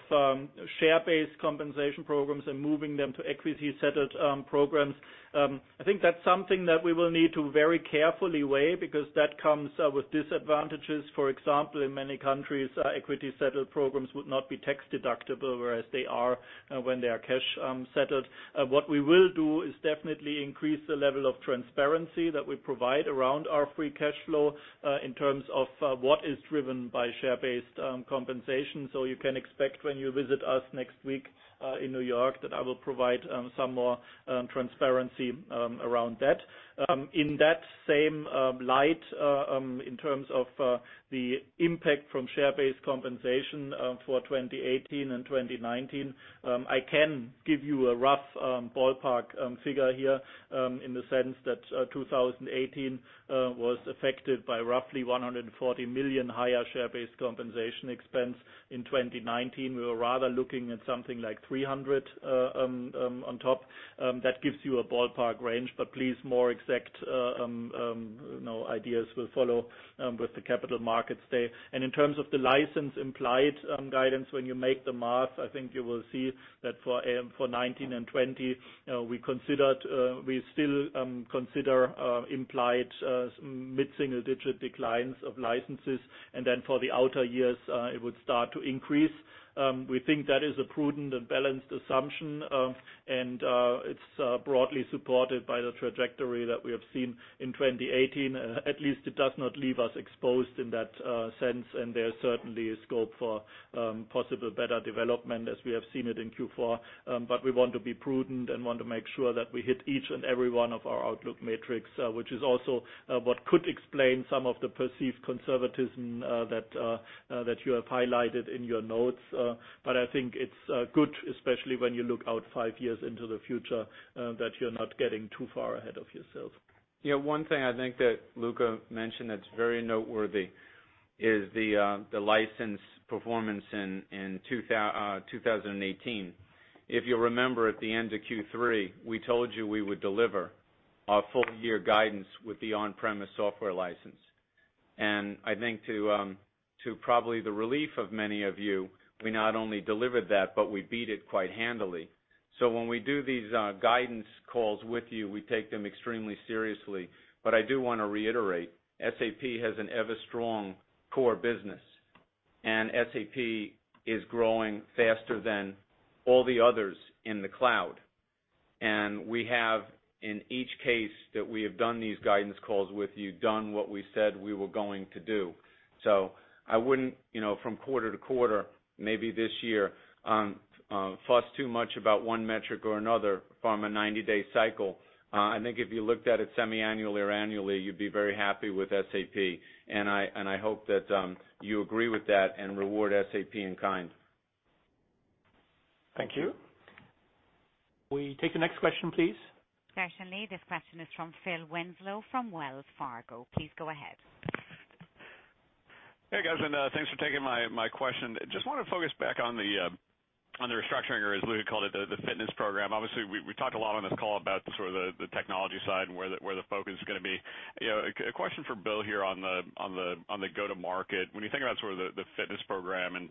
Speaker 4: share-based compensation programs and moving them to equity-settled programs, I think that's something that we will need to very carefully weigh because that comes with disadvantages. For example, in many countries, equity-settled programs would not be tax deductible, whereas they are when they are cash settled. What we will do is definitely increase the level of transparency that we provide around our free cash flow in terms of what is driven by share-based compensation. You can expect when you visit us next week in New York that I will provide some more transparency around that. In that same light, in terms of the impact from share-based compensation for 2018 and 2019, I can give you a rough ballpark figure here, in the sense that 2018 was affected by roughly 140 million higher share-based compensation expense. In 2019, we were rather looking at something like 300 on top. That gives you a ballpark range, please, more exact ideas will follow with the Capital Markets Day. In terms of the license implied guidance, when you make the math, I think you will see that for 2019 and 2020, we still consider implied mid-single-digit declines of licenses. For the outer years, it would start to increase. We think that is a prudent and balanced assumption, and it's broadly supported by the trajectory that we have seen in 2018. At least it does not leave us exposed in that sense, there's certainly a scope for possible better development as we have seen it in Q4. We want to be prudent and want to make sure that we hit each and every one of our outlook metrics, which is also what could explain some of the perceived conservatism that you have highlighted in your notes. I think it's good, especially when you look out five years into the future, that you're not getting too far ahead of yourself.
Speaker 3: Yeah, one thing I think that Luka mentioned that's very noteworthy is the license performance in 2018. If you'll remember at the end of Q3, we told you we would deliver our full year guidance with the on-premise software license. I think to probably the relief of many of you, we not only delivered that, but we beat it quite handily. When we do these guidance calls with you, we take them extremely seriously. I do want to reiterate, SAP has an ever strong core business, and SAP is growing faster than all the others in the cloud. We have, in each case that we have done these guidance calls with you, done what we said we were going to do. I wouldn't, from quarter to quarter, maybe this year, fuss too much about one metric or another from a 90-day cycle. I think if you looked at it semiannually or annually, you'd be very happy with SAP. I hope that you agree with that and reward SAP in kind.
Speaker 9: Thank you.
Speaker 2: Can we take the next question, please?
Speaker 1: Certainly. This question is from Phil Winslow from Wells Fargo. Please go ahead.
Speaker 10: Hey, guys, thanks for taking my question. Just want to focus back on the restructuring, or as Luka Mucic called it, the fitness program. Obviously, we talked a lot on this call about the technology side and where the focus is going to be. A question for Bill McDermott here on the go-to-market. When you think about the fitness program and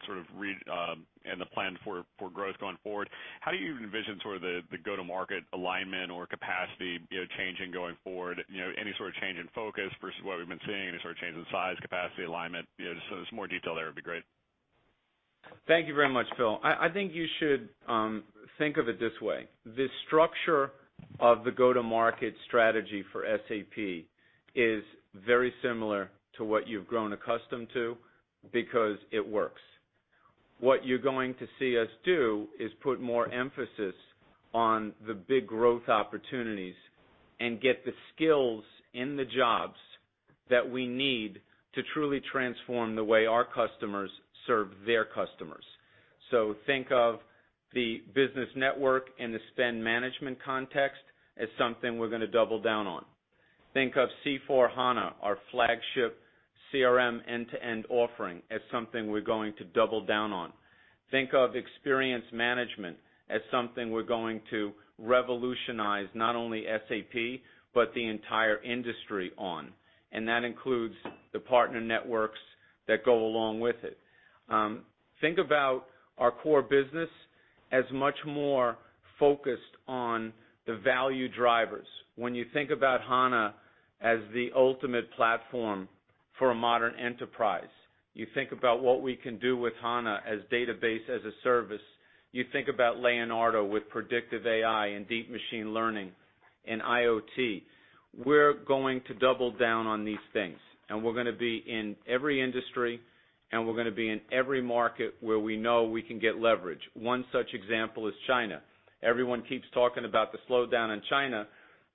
Speaker 10: the plan for growth going forward, how do you envision the go-to-market alignment or capacity changing going forward? Any sort of change in focus versus what we've been seeing? Any change in size, capacity, alignment? Just so there's more detail there would be great.
Speaker 3: Thank you very much, Phil Winslow. I think you should think of it this way. The structure of the go-to-market strategy for SAP is very similar to what you've grown accustomed to, because it works. What you're going to see us do is put more emphasis on the big growth opportunities and get the skills in the jobs that we need to truly transform the way our customers serve their customers. Think of the business network in the spend management context as something we're going to double down on. Think of SAP C/4HANA, our flagship CRM end-to-end offering, as something we're going to double down on. Think of experience management as something we're going to revolutionize, not only SAP, but the entire industry on, and that includes the partner networks that go along with it. Think about our core business as much more focused on the value drivers. When you think about SAP HANA as the ultimate platform for a modern enterprise, you think about what we can do with SAP HANA as Database as a Service. You think about SAP Leonardo with predictive AI and deep machine learning and IoT. We're going to double down on these things, and we're going to be in every industry, and we're going to be in every market where we know we can get leverage. One such example is China. Everyone keeps talking about the slowdown in China.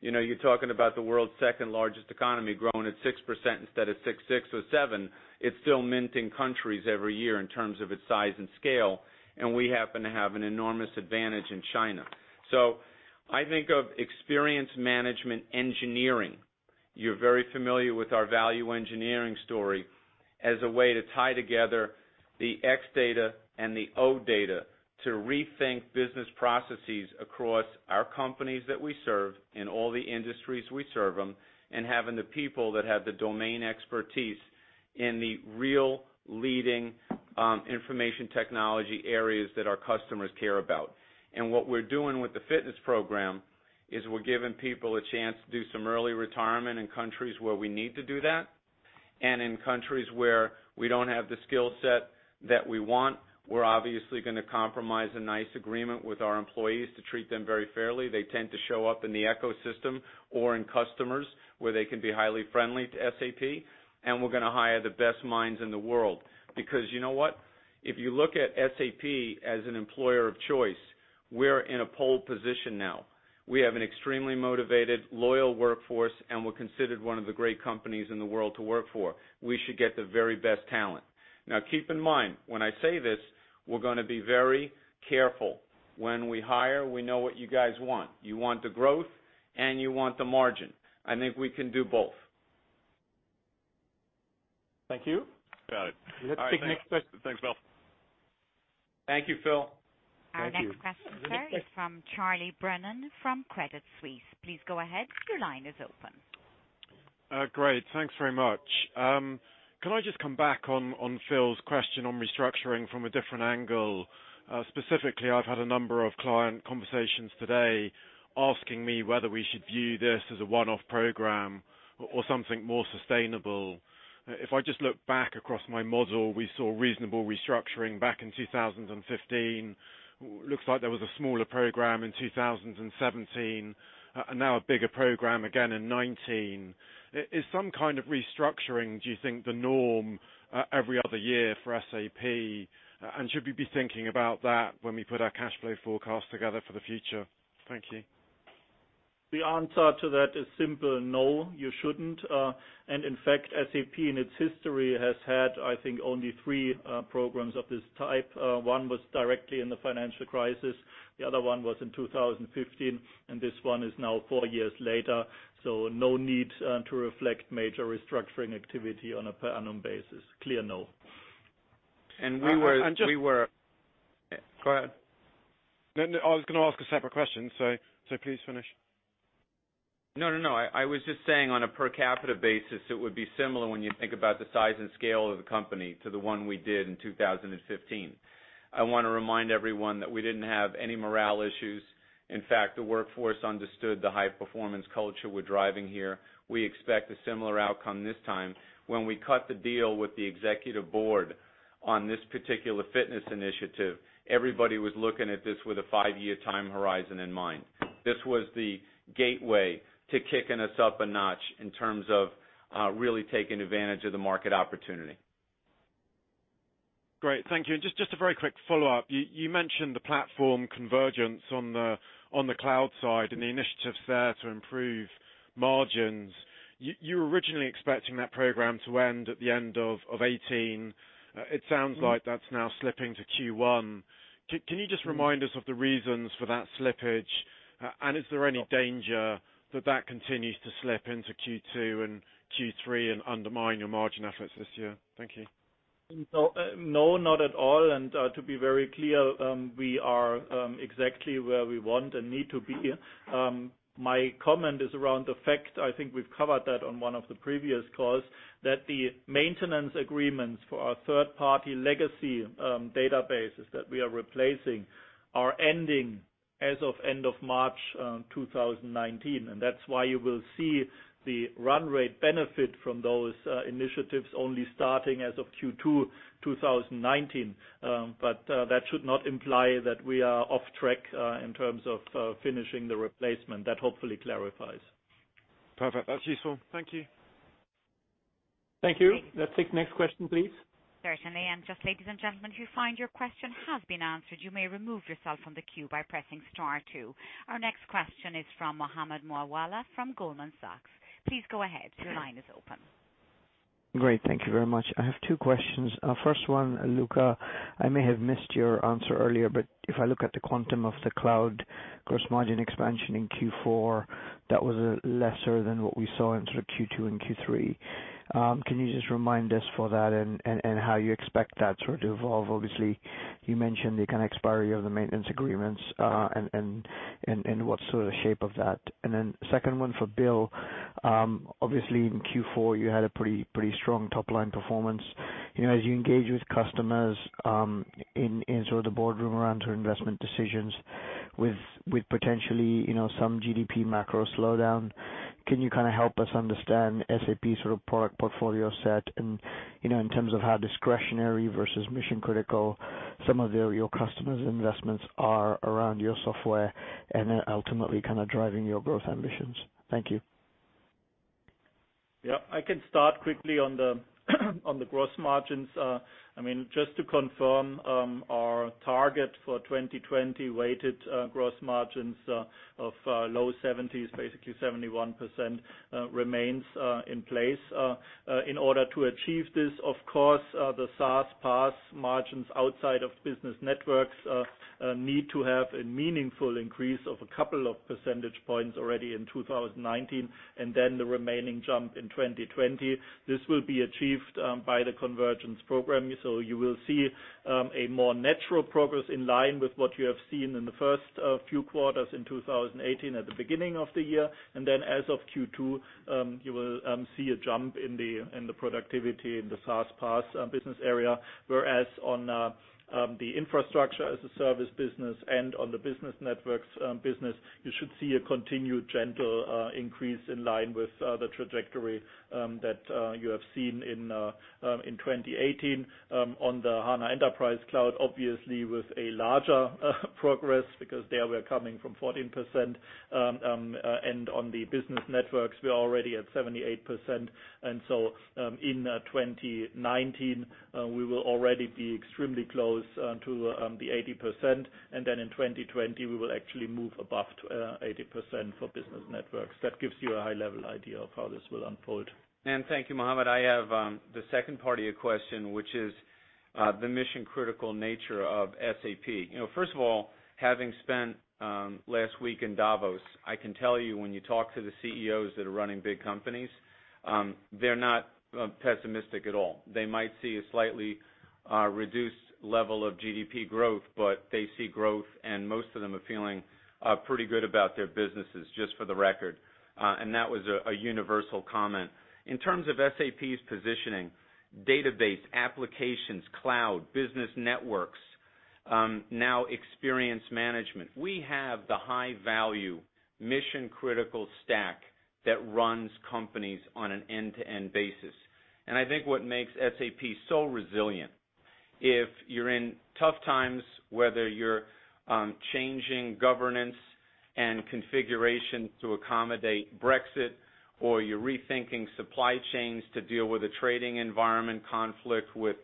Speaker 3: You're talking about the world's second-largest economy growing at 6% instead of 6%-7%. It's still minting countries every year in terms of its size and scale, and we happen to have an enormous advantage in China. I think of experience management engineering. You're very familiar with our value engineering story as a way to tie together the X-data and the O-data to rethink business processes across our companies that we serve in all the industries we serve them, and having the people that have the domain expertise in the real leading information technology areas that our customers care about. What we're doing with the fitness program is we're giving people a chance to do some early retirement in countries where we need to do that. In countries where we don't have the skill set that we want, we're obviously going to compromise a nice agreement with our employees to treat them very fairly. They tend to show up in the ecosystem or in customers where they can be highly friendly to SAP, and we're going to hire the best minds in the world. Because you know what? If you look at SAP as an employer of choice, we're in a pole position now. We have an extremely motivated, loyal workforce, and we're considered one of the great companies in the world to work for. We should get the very best talent. Now, keep in mind when I say this, we're going to be very careful. When we hire, we know what you guys want. You want the growth, and you want the margin. I think we can do both.
Speaker 10: Thank you. Got it.
Speaker 2: Let's take the next question.
Speaker 10: Thanks, Bill.
Speaker 3: Thank you, Phil.
Speaker 1: Our next question, sir, is from Charles Brennan from Credit Suisse. Please go ahead. Your line is open.
Speaker 11: Great. Thanks very much. Can I just come back on Phil's question on restructuring from a different angle? Specifically, I've had a number of client conversations today asking me whether we should view this as a one-off program or something more sustainable. If I just look back across my model, we saw reasonable restructuring back in 2015. Looks like there was a smaller program in 2017, and now a bigger program again in 2019. Is some kind of restructuring, do you think, the norm every other year for SAP? Should we be thinking about that when we put our cash flow forecast together for the future? Thank you.
Speaker 4: In fact, SAP in its history has had, I think, only three programs of this type. One was directly in the financial crisis, the other one was in 2015, and this one is now four years later. No need to reflect major restructuring activity on a per annum basis. Clear no.
Speaker 3: We were.
Speaker 11: I'm just.
Speaker 3: Go ahead.
Speaker 11: I was going to ask a separate question, please finish.
Speaker 3: I was just saying on a per capita basis, it would be similar when you think about the size and scale of the company to the one we did in 2015. I want to remind everyone that we didn't have any morale issues. In fact, the workforce understood the high-performance culture we're driving here. We expect a similar outcome this time. When we cut the deal with the Executive Board on this particular fitness initiative, everybody was looking at this with a five-year time horizon in mind. This was the gateway to kicking us up a notch in terms of really taking advantage of the market opportunity.
Speaker 11: Great. Thank you. Just a very quick follow-up. You mentioned the platform convergence on the cloud side and the initiatives there to improve margins. You were originally expecting that program to end at the end of 2018. It sounds like that's now slipping to Q1. Can you just remind us of the reasons for that slippage? Is there any danger that that continues to slip into Q2 and Q3 and undermine your margin efforts this year? Thank you.
Speaker 4: Not at all. To be very clear, we are exactly where we want and need to be. My comment is around the fact, I think we've covered that on one of the previous calls, that the maintenance agreements for our third-party legacy databases that we are replacing are ending as of end of March 2019. That's why you will see the run rate benefit from those initiatives only starting as of Q2 2019. That should not imply that we are off track in terms of finishing the replacement. That hopefully clarifies.
Speaker 11: Perfect. That's useful. Thank you.
Speaker 2: Thank you. Let's take next question, please.
Speaker 1: Certainly. Just ladies and gentlemen, if you find your question has been answered, you may remove yourself from the queue by pressing star two. Our next question is from Mohammed Moawalla from Goldman Sachs. Please go ahead. Your line is open.
Speaker 12: Great. Thank you very much. I have two questions. First one, Luka, I may have missed your answer earlier, but if I look at the quantum of the cloud gross margin expansion in Q4, that was lesser than what we saw in sort of Q2 and Q3. Can you just remind us for that and how you expect that sort of to evolve? Obviously, you mentioned the kind of expiry of the maintenance agreements, and what's sort of the shape of that. Then second one for Bill. Obviously, in Q4, you had a pretty strong top-line performance. As you engage with customers in sort of the boardroom around investment decisions with potentially some GDP macro slowdown, can you kind of help us understand SAP's sort of product portfolio set and in terms of how discretionary versus mission-critical some of your customers' investments are around your software and then ultimately kind of driving your growth ambitions? Thank you.
Speaker 4: I can start quickly on the gross margins. Just to confirm, our target for 2020 weighted gross margins of low 70s, basically 71%, remains in place. In order to achieve this, of course, the SaaS PaaS margins outside of Business Networks need to have a meaningful increase of a couple of percentage points already in 2019, and then the remaining jump in 2020. This will be achieved by the convergence program. You will see a more natural progress in line with what you have seen in the first few quarters in 2018 at the beginning of the year. As of Q2, you will see a jump in the productivity in the SaaS PaaS business area, whereas on the Infrastructure as a Service business and on the Business Networks business, you should see a continued gentle increase in line with the trajectory that you have seen in 2018. On the SAP HANA Enterprise Cloud, obviously with a larger progress because there we're coming from 14%, and on the Business Networks, we're already at 78%. In 2019, we will already be extremely close to the 80%, and then in 2020, we will actually move above to 80% for Business Networks. That gives you a high-level idea of how this will unfold.
Speaker 3: Thank you, Mohammed. I have the second part of your question, which is the mission-critical nature of SAP. First of all, having spent last week in Davos, I can tell you when you talk to the CEOs that are running big companies, they're not pessimistic at all. They might see a slightly reduced level of GDP growth, but they see growth, and most of them are feeling pretty good about their businesses, just for the record. That was a universal comment. In terms of SAP's positioning, database, applications, cloud, Business Networks, now experience management. We have the high-value mission-critical stack that runs companies on an end-to-end basis. I think what makes SAP so resilient, if you're in tough times, whether you're changing governance and configuration to accommodate Brexit, or you're rethinking supply chains to deal with a trading environment conflict with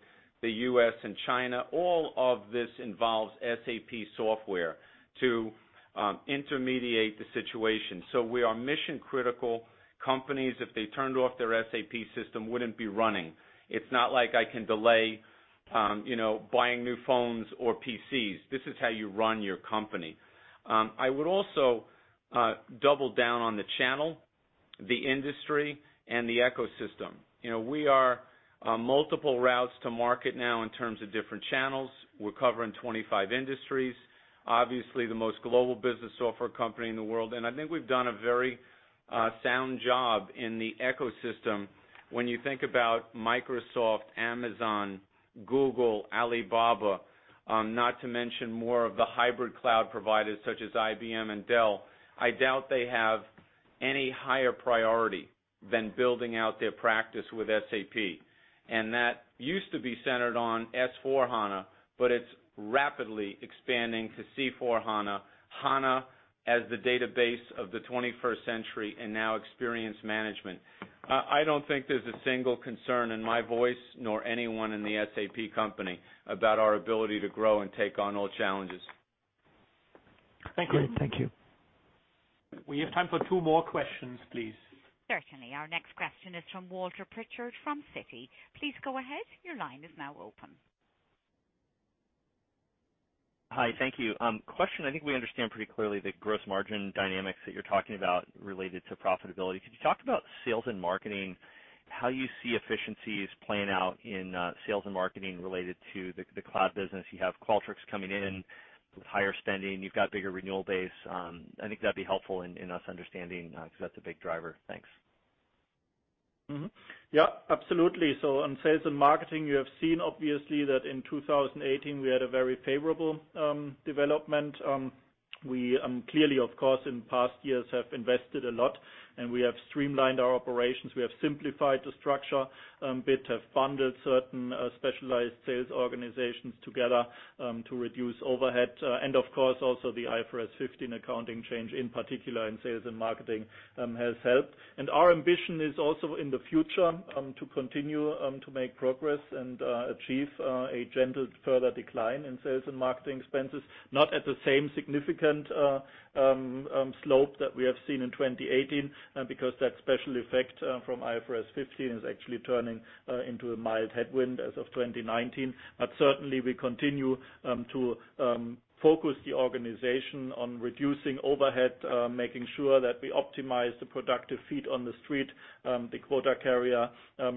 Speaker 3: the U.S. and China, all of this involves SAP software to intermediate the situation. We are mission-critical. Companies, if they turned off their SAP system, wouldn't be running. It's not like I can delay buying new phones or PCs. This is how you run your company. I would also double down on the channel, the industry, and the ecosystem. We are multiple routes to market now in terms of different channels. We're covering 25 industries. Obviously, the most global business software company in the world, and I think we've done a very sound job in the ecosystem. When you think about Microsoft, Amazon, Google, Alibaba, not to mention more of the hybrid cloud providers such as IBM and Dell, I doubt they have any higher priority than building out their practice with SAP. That used to be centered on S/4HANA, but it's rapidly expanding to C/4HANA, HANA as the database of the 21st century, and now experience management. I don't think there's a single concern in my voice nor anyone in the SAP company about our ability to grow and take on all challenges.
Speaker 12: Thank you. Great. Thank you.
Speaker 2: We have time for two more questions, please.
Speaker 1: Certainly. Our next question is from Walter Pritchard from Citi. Please go ahead. Your line is now open.
Speaker 13: Hi. Thank you. Question, I think we understand pretty clearly the gross margin dynamics that you're talking about related to profitability. Could you talk about sales and marketing, how you see efficiencies playing out in sales and marketing related to the cloud business? You have Qualtrics coming in with higher spending. You've got bigger renewal base. I think that'd be helpful in us understanding, because that's a big driver. Thanks.
Speaker 4: Mm-hmm. Yeah, absolutely. On sales and marketing, you have seen obviously that in 2018, we had a very favorable development. We clearly, of course, in past years have invested a lot, and we have streamlined our operations. We have simplified the structure a bit, have bundled certain specialized sales organizations together, to reduce overhead. Of course, also the IFRS 15 accounting change, in particular in sales and marketing, has helped. Our ambition is also in the future, to continue to make progress and achieve a gentle further decline in sales and marketing expenses. Not at the same significant slope that we have seen in 2018, because that special effect from IFRS 15 is actually turning into a mild headwind as of 2019. Certainly, we continue to focus the organization on reducing overhead, making sure that we optimize the productive feet on the street, the quota carrier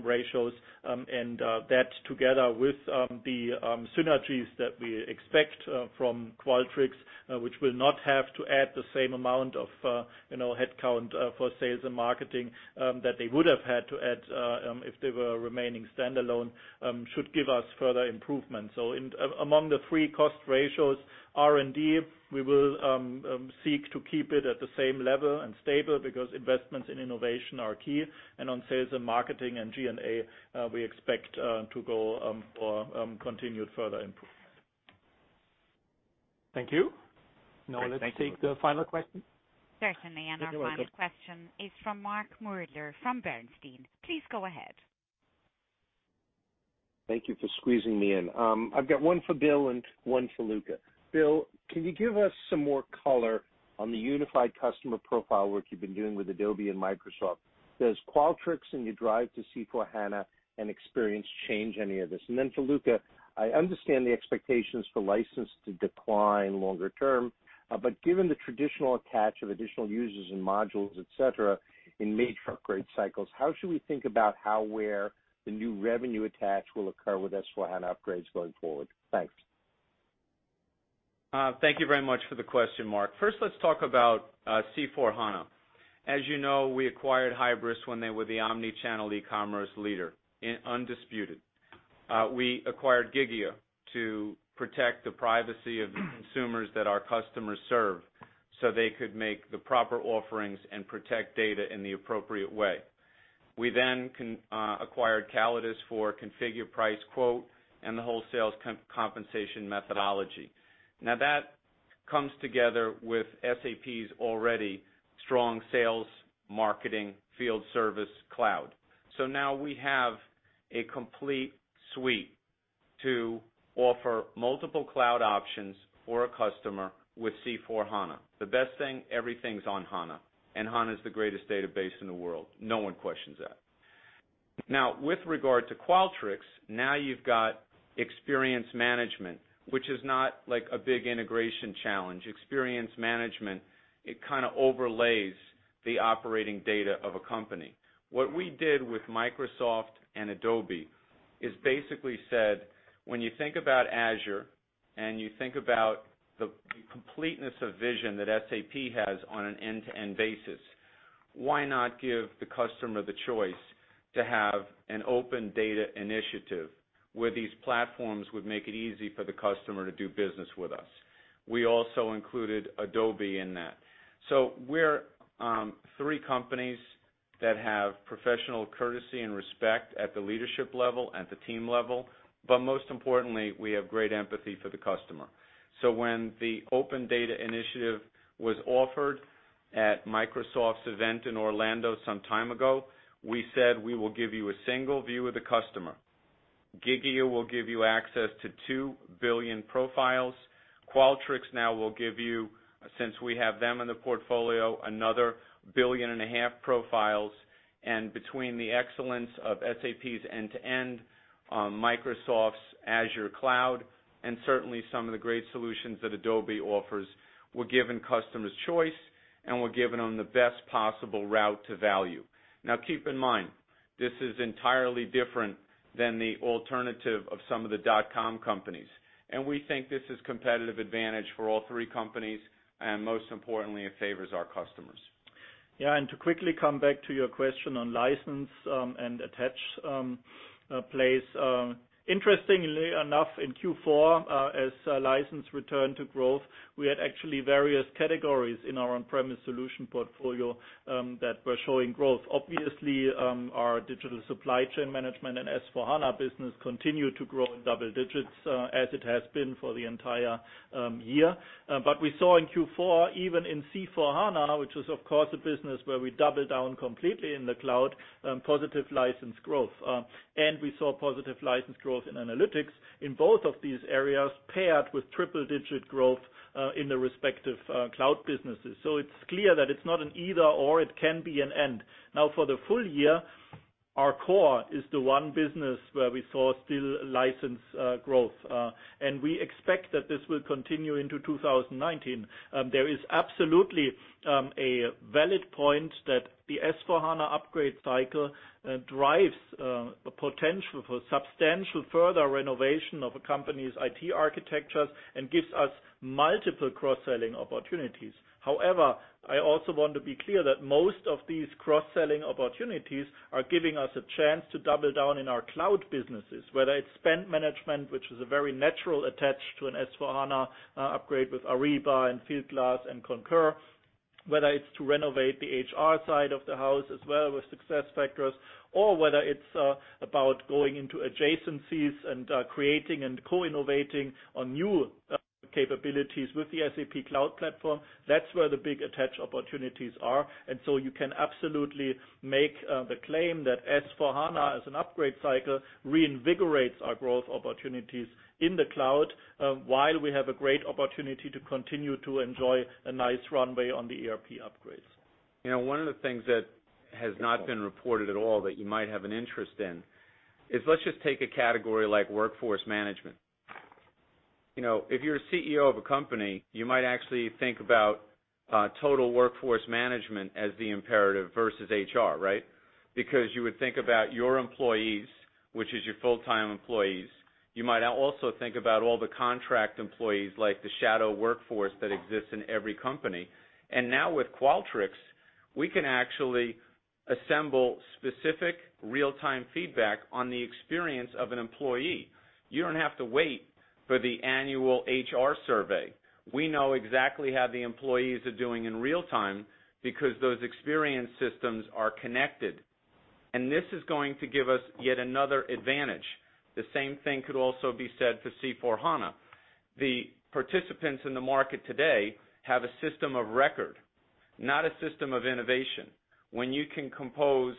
Speaker 4: ratios, and that together with the synergies that we expect from Qualtrics, which will not have to add the same amount of headcount for sales and marketing that they would have had to add if they were remaining standalone, should give us further improvement. Among the three cost ratios, R&D, we will seek to keep it at the same level and stable because investments in innovation are key. On sales and marketing and G&A, we expect to go for continued further improvement. Thank you.
Speaker 13: Great. Thank you.
Speaker 2: Now let's take the final question.
Speaker 1: Certainly.
Speaker 2: If you like.
Speaker 1: Our final question is from Mark Moerdler from Bernstein. Please go ahead.
Speaker 14: Thank you for squeezing me in. I've got one for Bill and one for Luka. Bill, can you give us some more color on the unified customer profile work you've been doing with Adobe and Microsoft? Does Qualtrics and your drive to C/4HANA and experience change any of this? For Luka, I understand the expectations for license to decline longer term. Given the traditional attach of additional users and modules, et cetera, in major upgrade cycles, how should we think about how, where the new revenue attach will occur with S/4HANA upgrades going forward? Thanks.
Speaker 3: Thank you very much for the question, Mark. First, let's talk about C/4HANA. As you know, we acquired Hybris when they were the omni-channel e-commerce leader, undisputed. We acquired Gigya to protect the privacy of the consumers that our customers serve so they could make the proper offerings and protect data in the appropriate way. That comes together with SAP's already strong sales marketing field service cloud. Now we have a complete suite to offer multiple cloud options for a customer with C/4HANA. The best thing, everything's on HANA, and HANA is the greatest database in the world. No one questions that. With regard to Qualtrics, you've got experience management, which is not like a big integration challenge. Experience management, it kind of overlays the operating data of a company. What we did with Microsoft and Adobe is basically said, when you think about Azure, and you think about the completeness of vision that SAP has on an end-to-end basis, why not give the customer the choice to have an open data initiative where these platforms would make it easy for the customer to do business with us? We also included Adobe in that. We're three companies that have professional courtesy and respect at the leadership level, at the team level. Most importantly, we have great empathy for the customer. When the open data initiative was offered at Microsoft's event in Orlando some time ago, we said we will give you a single view of the customer. Gigya will give you access to two billion profiles. Qualtrics now will give you, since we have them in the portfolio, another one and half billion profiles. Between the excellence of SAP's end-to-end, Microsoft's Azure Cloud, and certainly some of the great solutions that Adobe offers, we're giving customers choice, and we're giving them the best possible route to value. Keep in mind, this is entirely different than the alternative of some of the dot-com companies. We think this is competitive advantage for all three companies, and most importantly, it favors our customers.
Speaker 4: To quickly come back to your question on license and attach place. Interestingly enough, in Q4, as license returned to growth, we had actually various categories in our on-premise solution portfolio that were showing growth. Our digital supply chain management and S/4HANA business continued to grow in double digits, as it has been for the entire year. We saw in Q4, even in C/4HANA, which was of course a business where we doubled down completely in the cloud, positive license growth. We saw positive license growth in analytics in both of these areas paired with triple-digit growth in the respective cloud businesses. It's clear that it's not an either/or, it can be an and. For the full year. Our core is the one business where we saw still license growth. We expect that this will continue into 2019. There is absolutely a valid point that the S/4HANA upgrade cycle drives potential for substantial further renovation of a company's IT architectures and gives us multiple cross-selling opportunities. I also want to be clear that most of these cross-selling opportunities are giving us a chance to double down in our cloud businesses, whether it's spend management, which is a very natural attach to an S/4HANA upgrade with Ariba and Fieldglass and Concur, whether it's to renovate the HR side of the house as well with SuccessFactors, or whether it's about going into adjacencies and creating and co-innovating on new capabilities with the SAP Cloud Platform. That's where the big attach opportunities are. You can absolutely make the claim that S/4HANA as an upgrade cycle reinvigorates our growth opportunities in the cloud, while we have a great opportunity to continue to enjoy a nice runway on the ERP upgrades.
Speaker 3: One of the things that has not been reported at all that you might have an interest in is, let's just take a category like workforce management. If you're a CEO of a company, you might actually think about total workforce management as the imperative versus HR, right? Because you would think about your employees, which is your full-time employees. You might also think about all the contract employees, like the shadow workforce that exists in every company. Now with Qualtrics, we can actually assemble specific real-time feedback on the experience of an employee. You don't have to wait for the annual HR survey. We know exactly how the employees are doing in real time because those experience systems are connected. This is going to give us yet another advantage. The same thing could also be said for C/4HANA. The participants in the market today have a system of record, not a system of innovation. When you can compose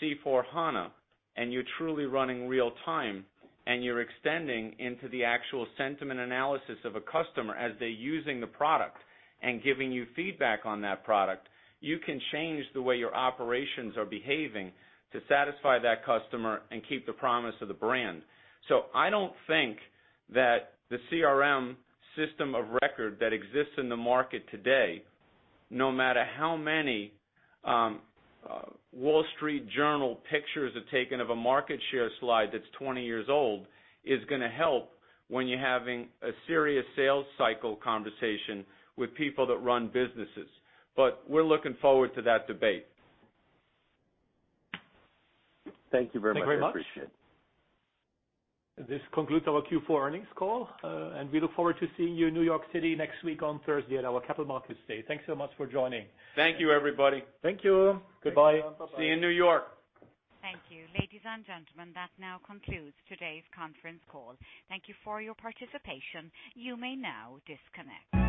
Speaker 3: C/4HANA, and you're truly running real time, and you're extending into the actual sentiment analysis of a customer as they're using the product and giving you feedback on that product, you can change the way your operations are behaving to satisfy that customer and keep the promise of the brand. I don't think that the CRM system of record that exists in the market today, no matter how many Wall Street Journal pictures are taken of a market share slide that's 20 years old, is going to help when you're having a serious sales cycle conversation with people that run businesses. We're looking forward to that debate.
Speaker 14: Thank you very much. I appreciate it.
Speaker 2: Thank you very much. This concludes our Q4 earnings call. We look forward to seeing you in New York City next week on Thursday at our Capital Markets Day. Thanks so much for joining.
Speaker 3: Thank you, everybody.
Speaker 4: Thank you. Goodbye.
Speaker 3: See you in New York.
Speaker 1: Thank you. Ladies and gentlemen, that now concludes today's conference call. Thank you for your participation. You may now disconnect.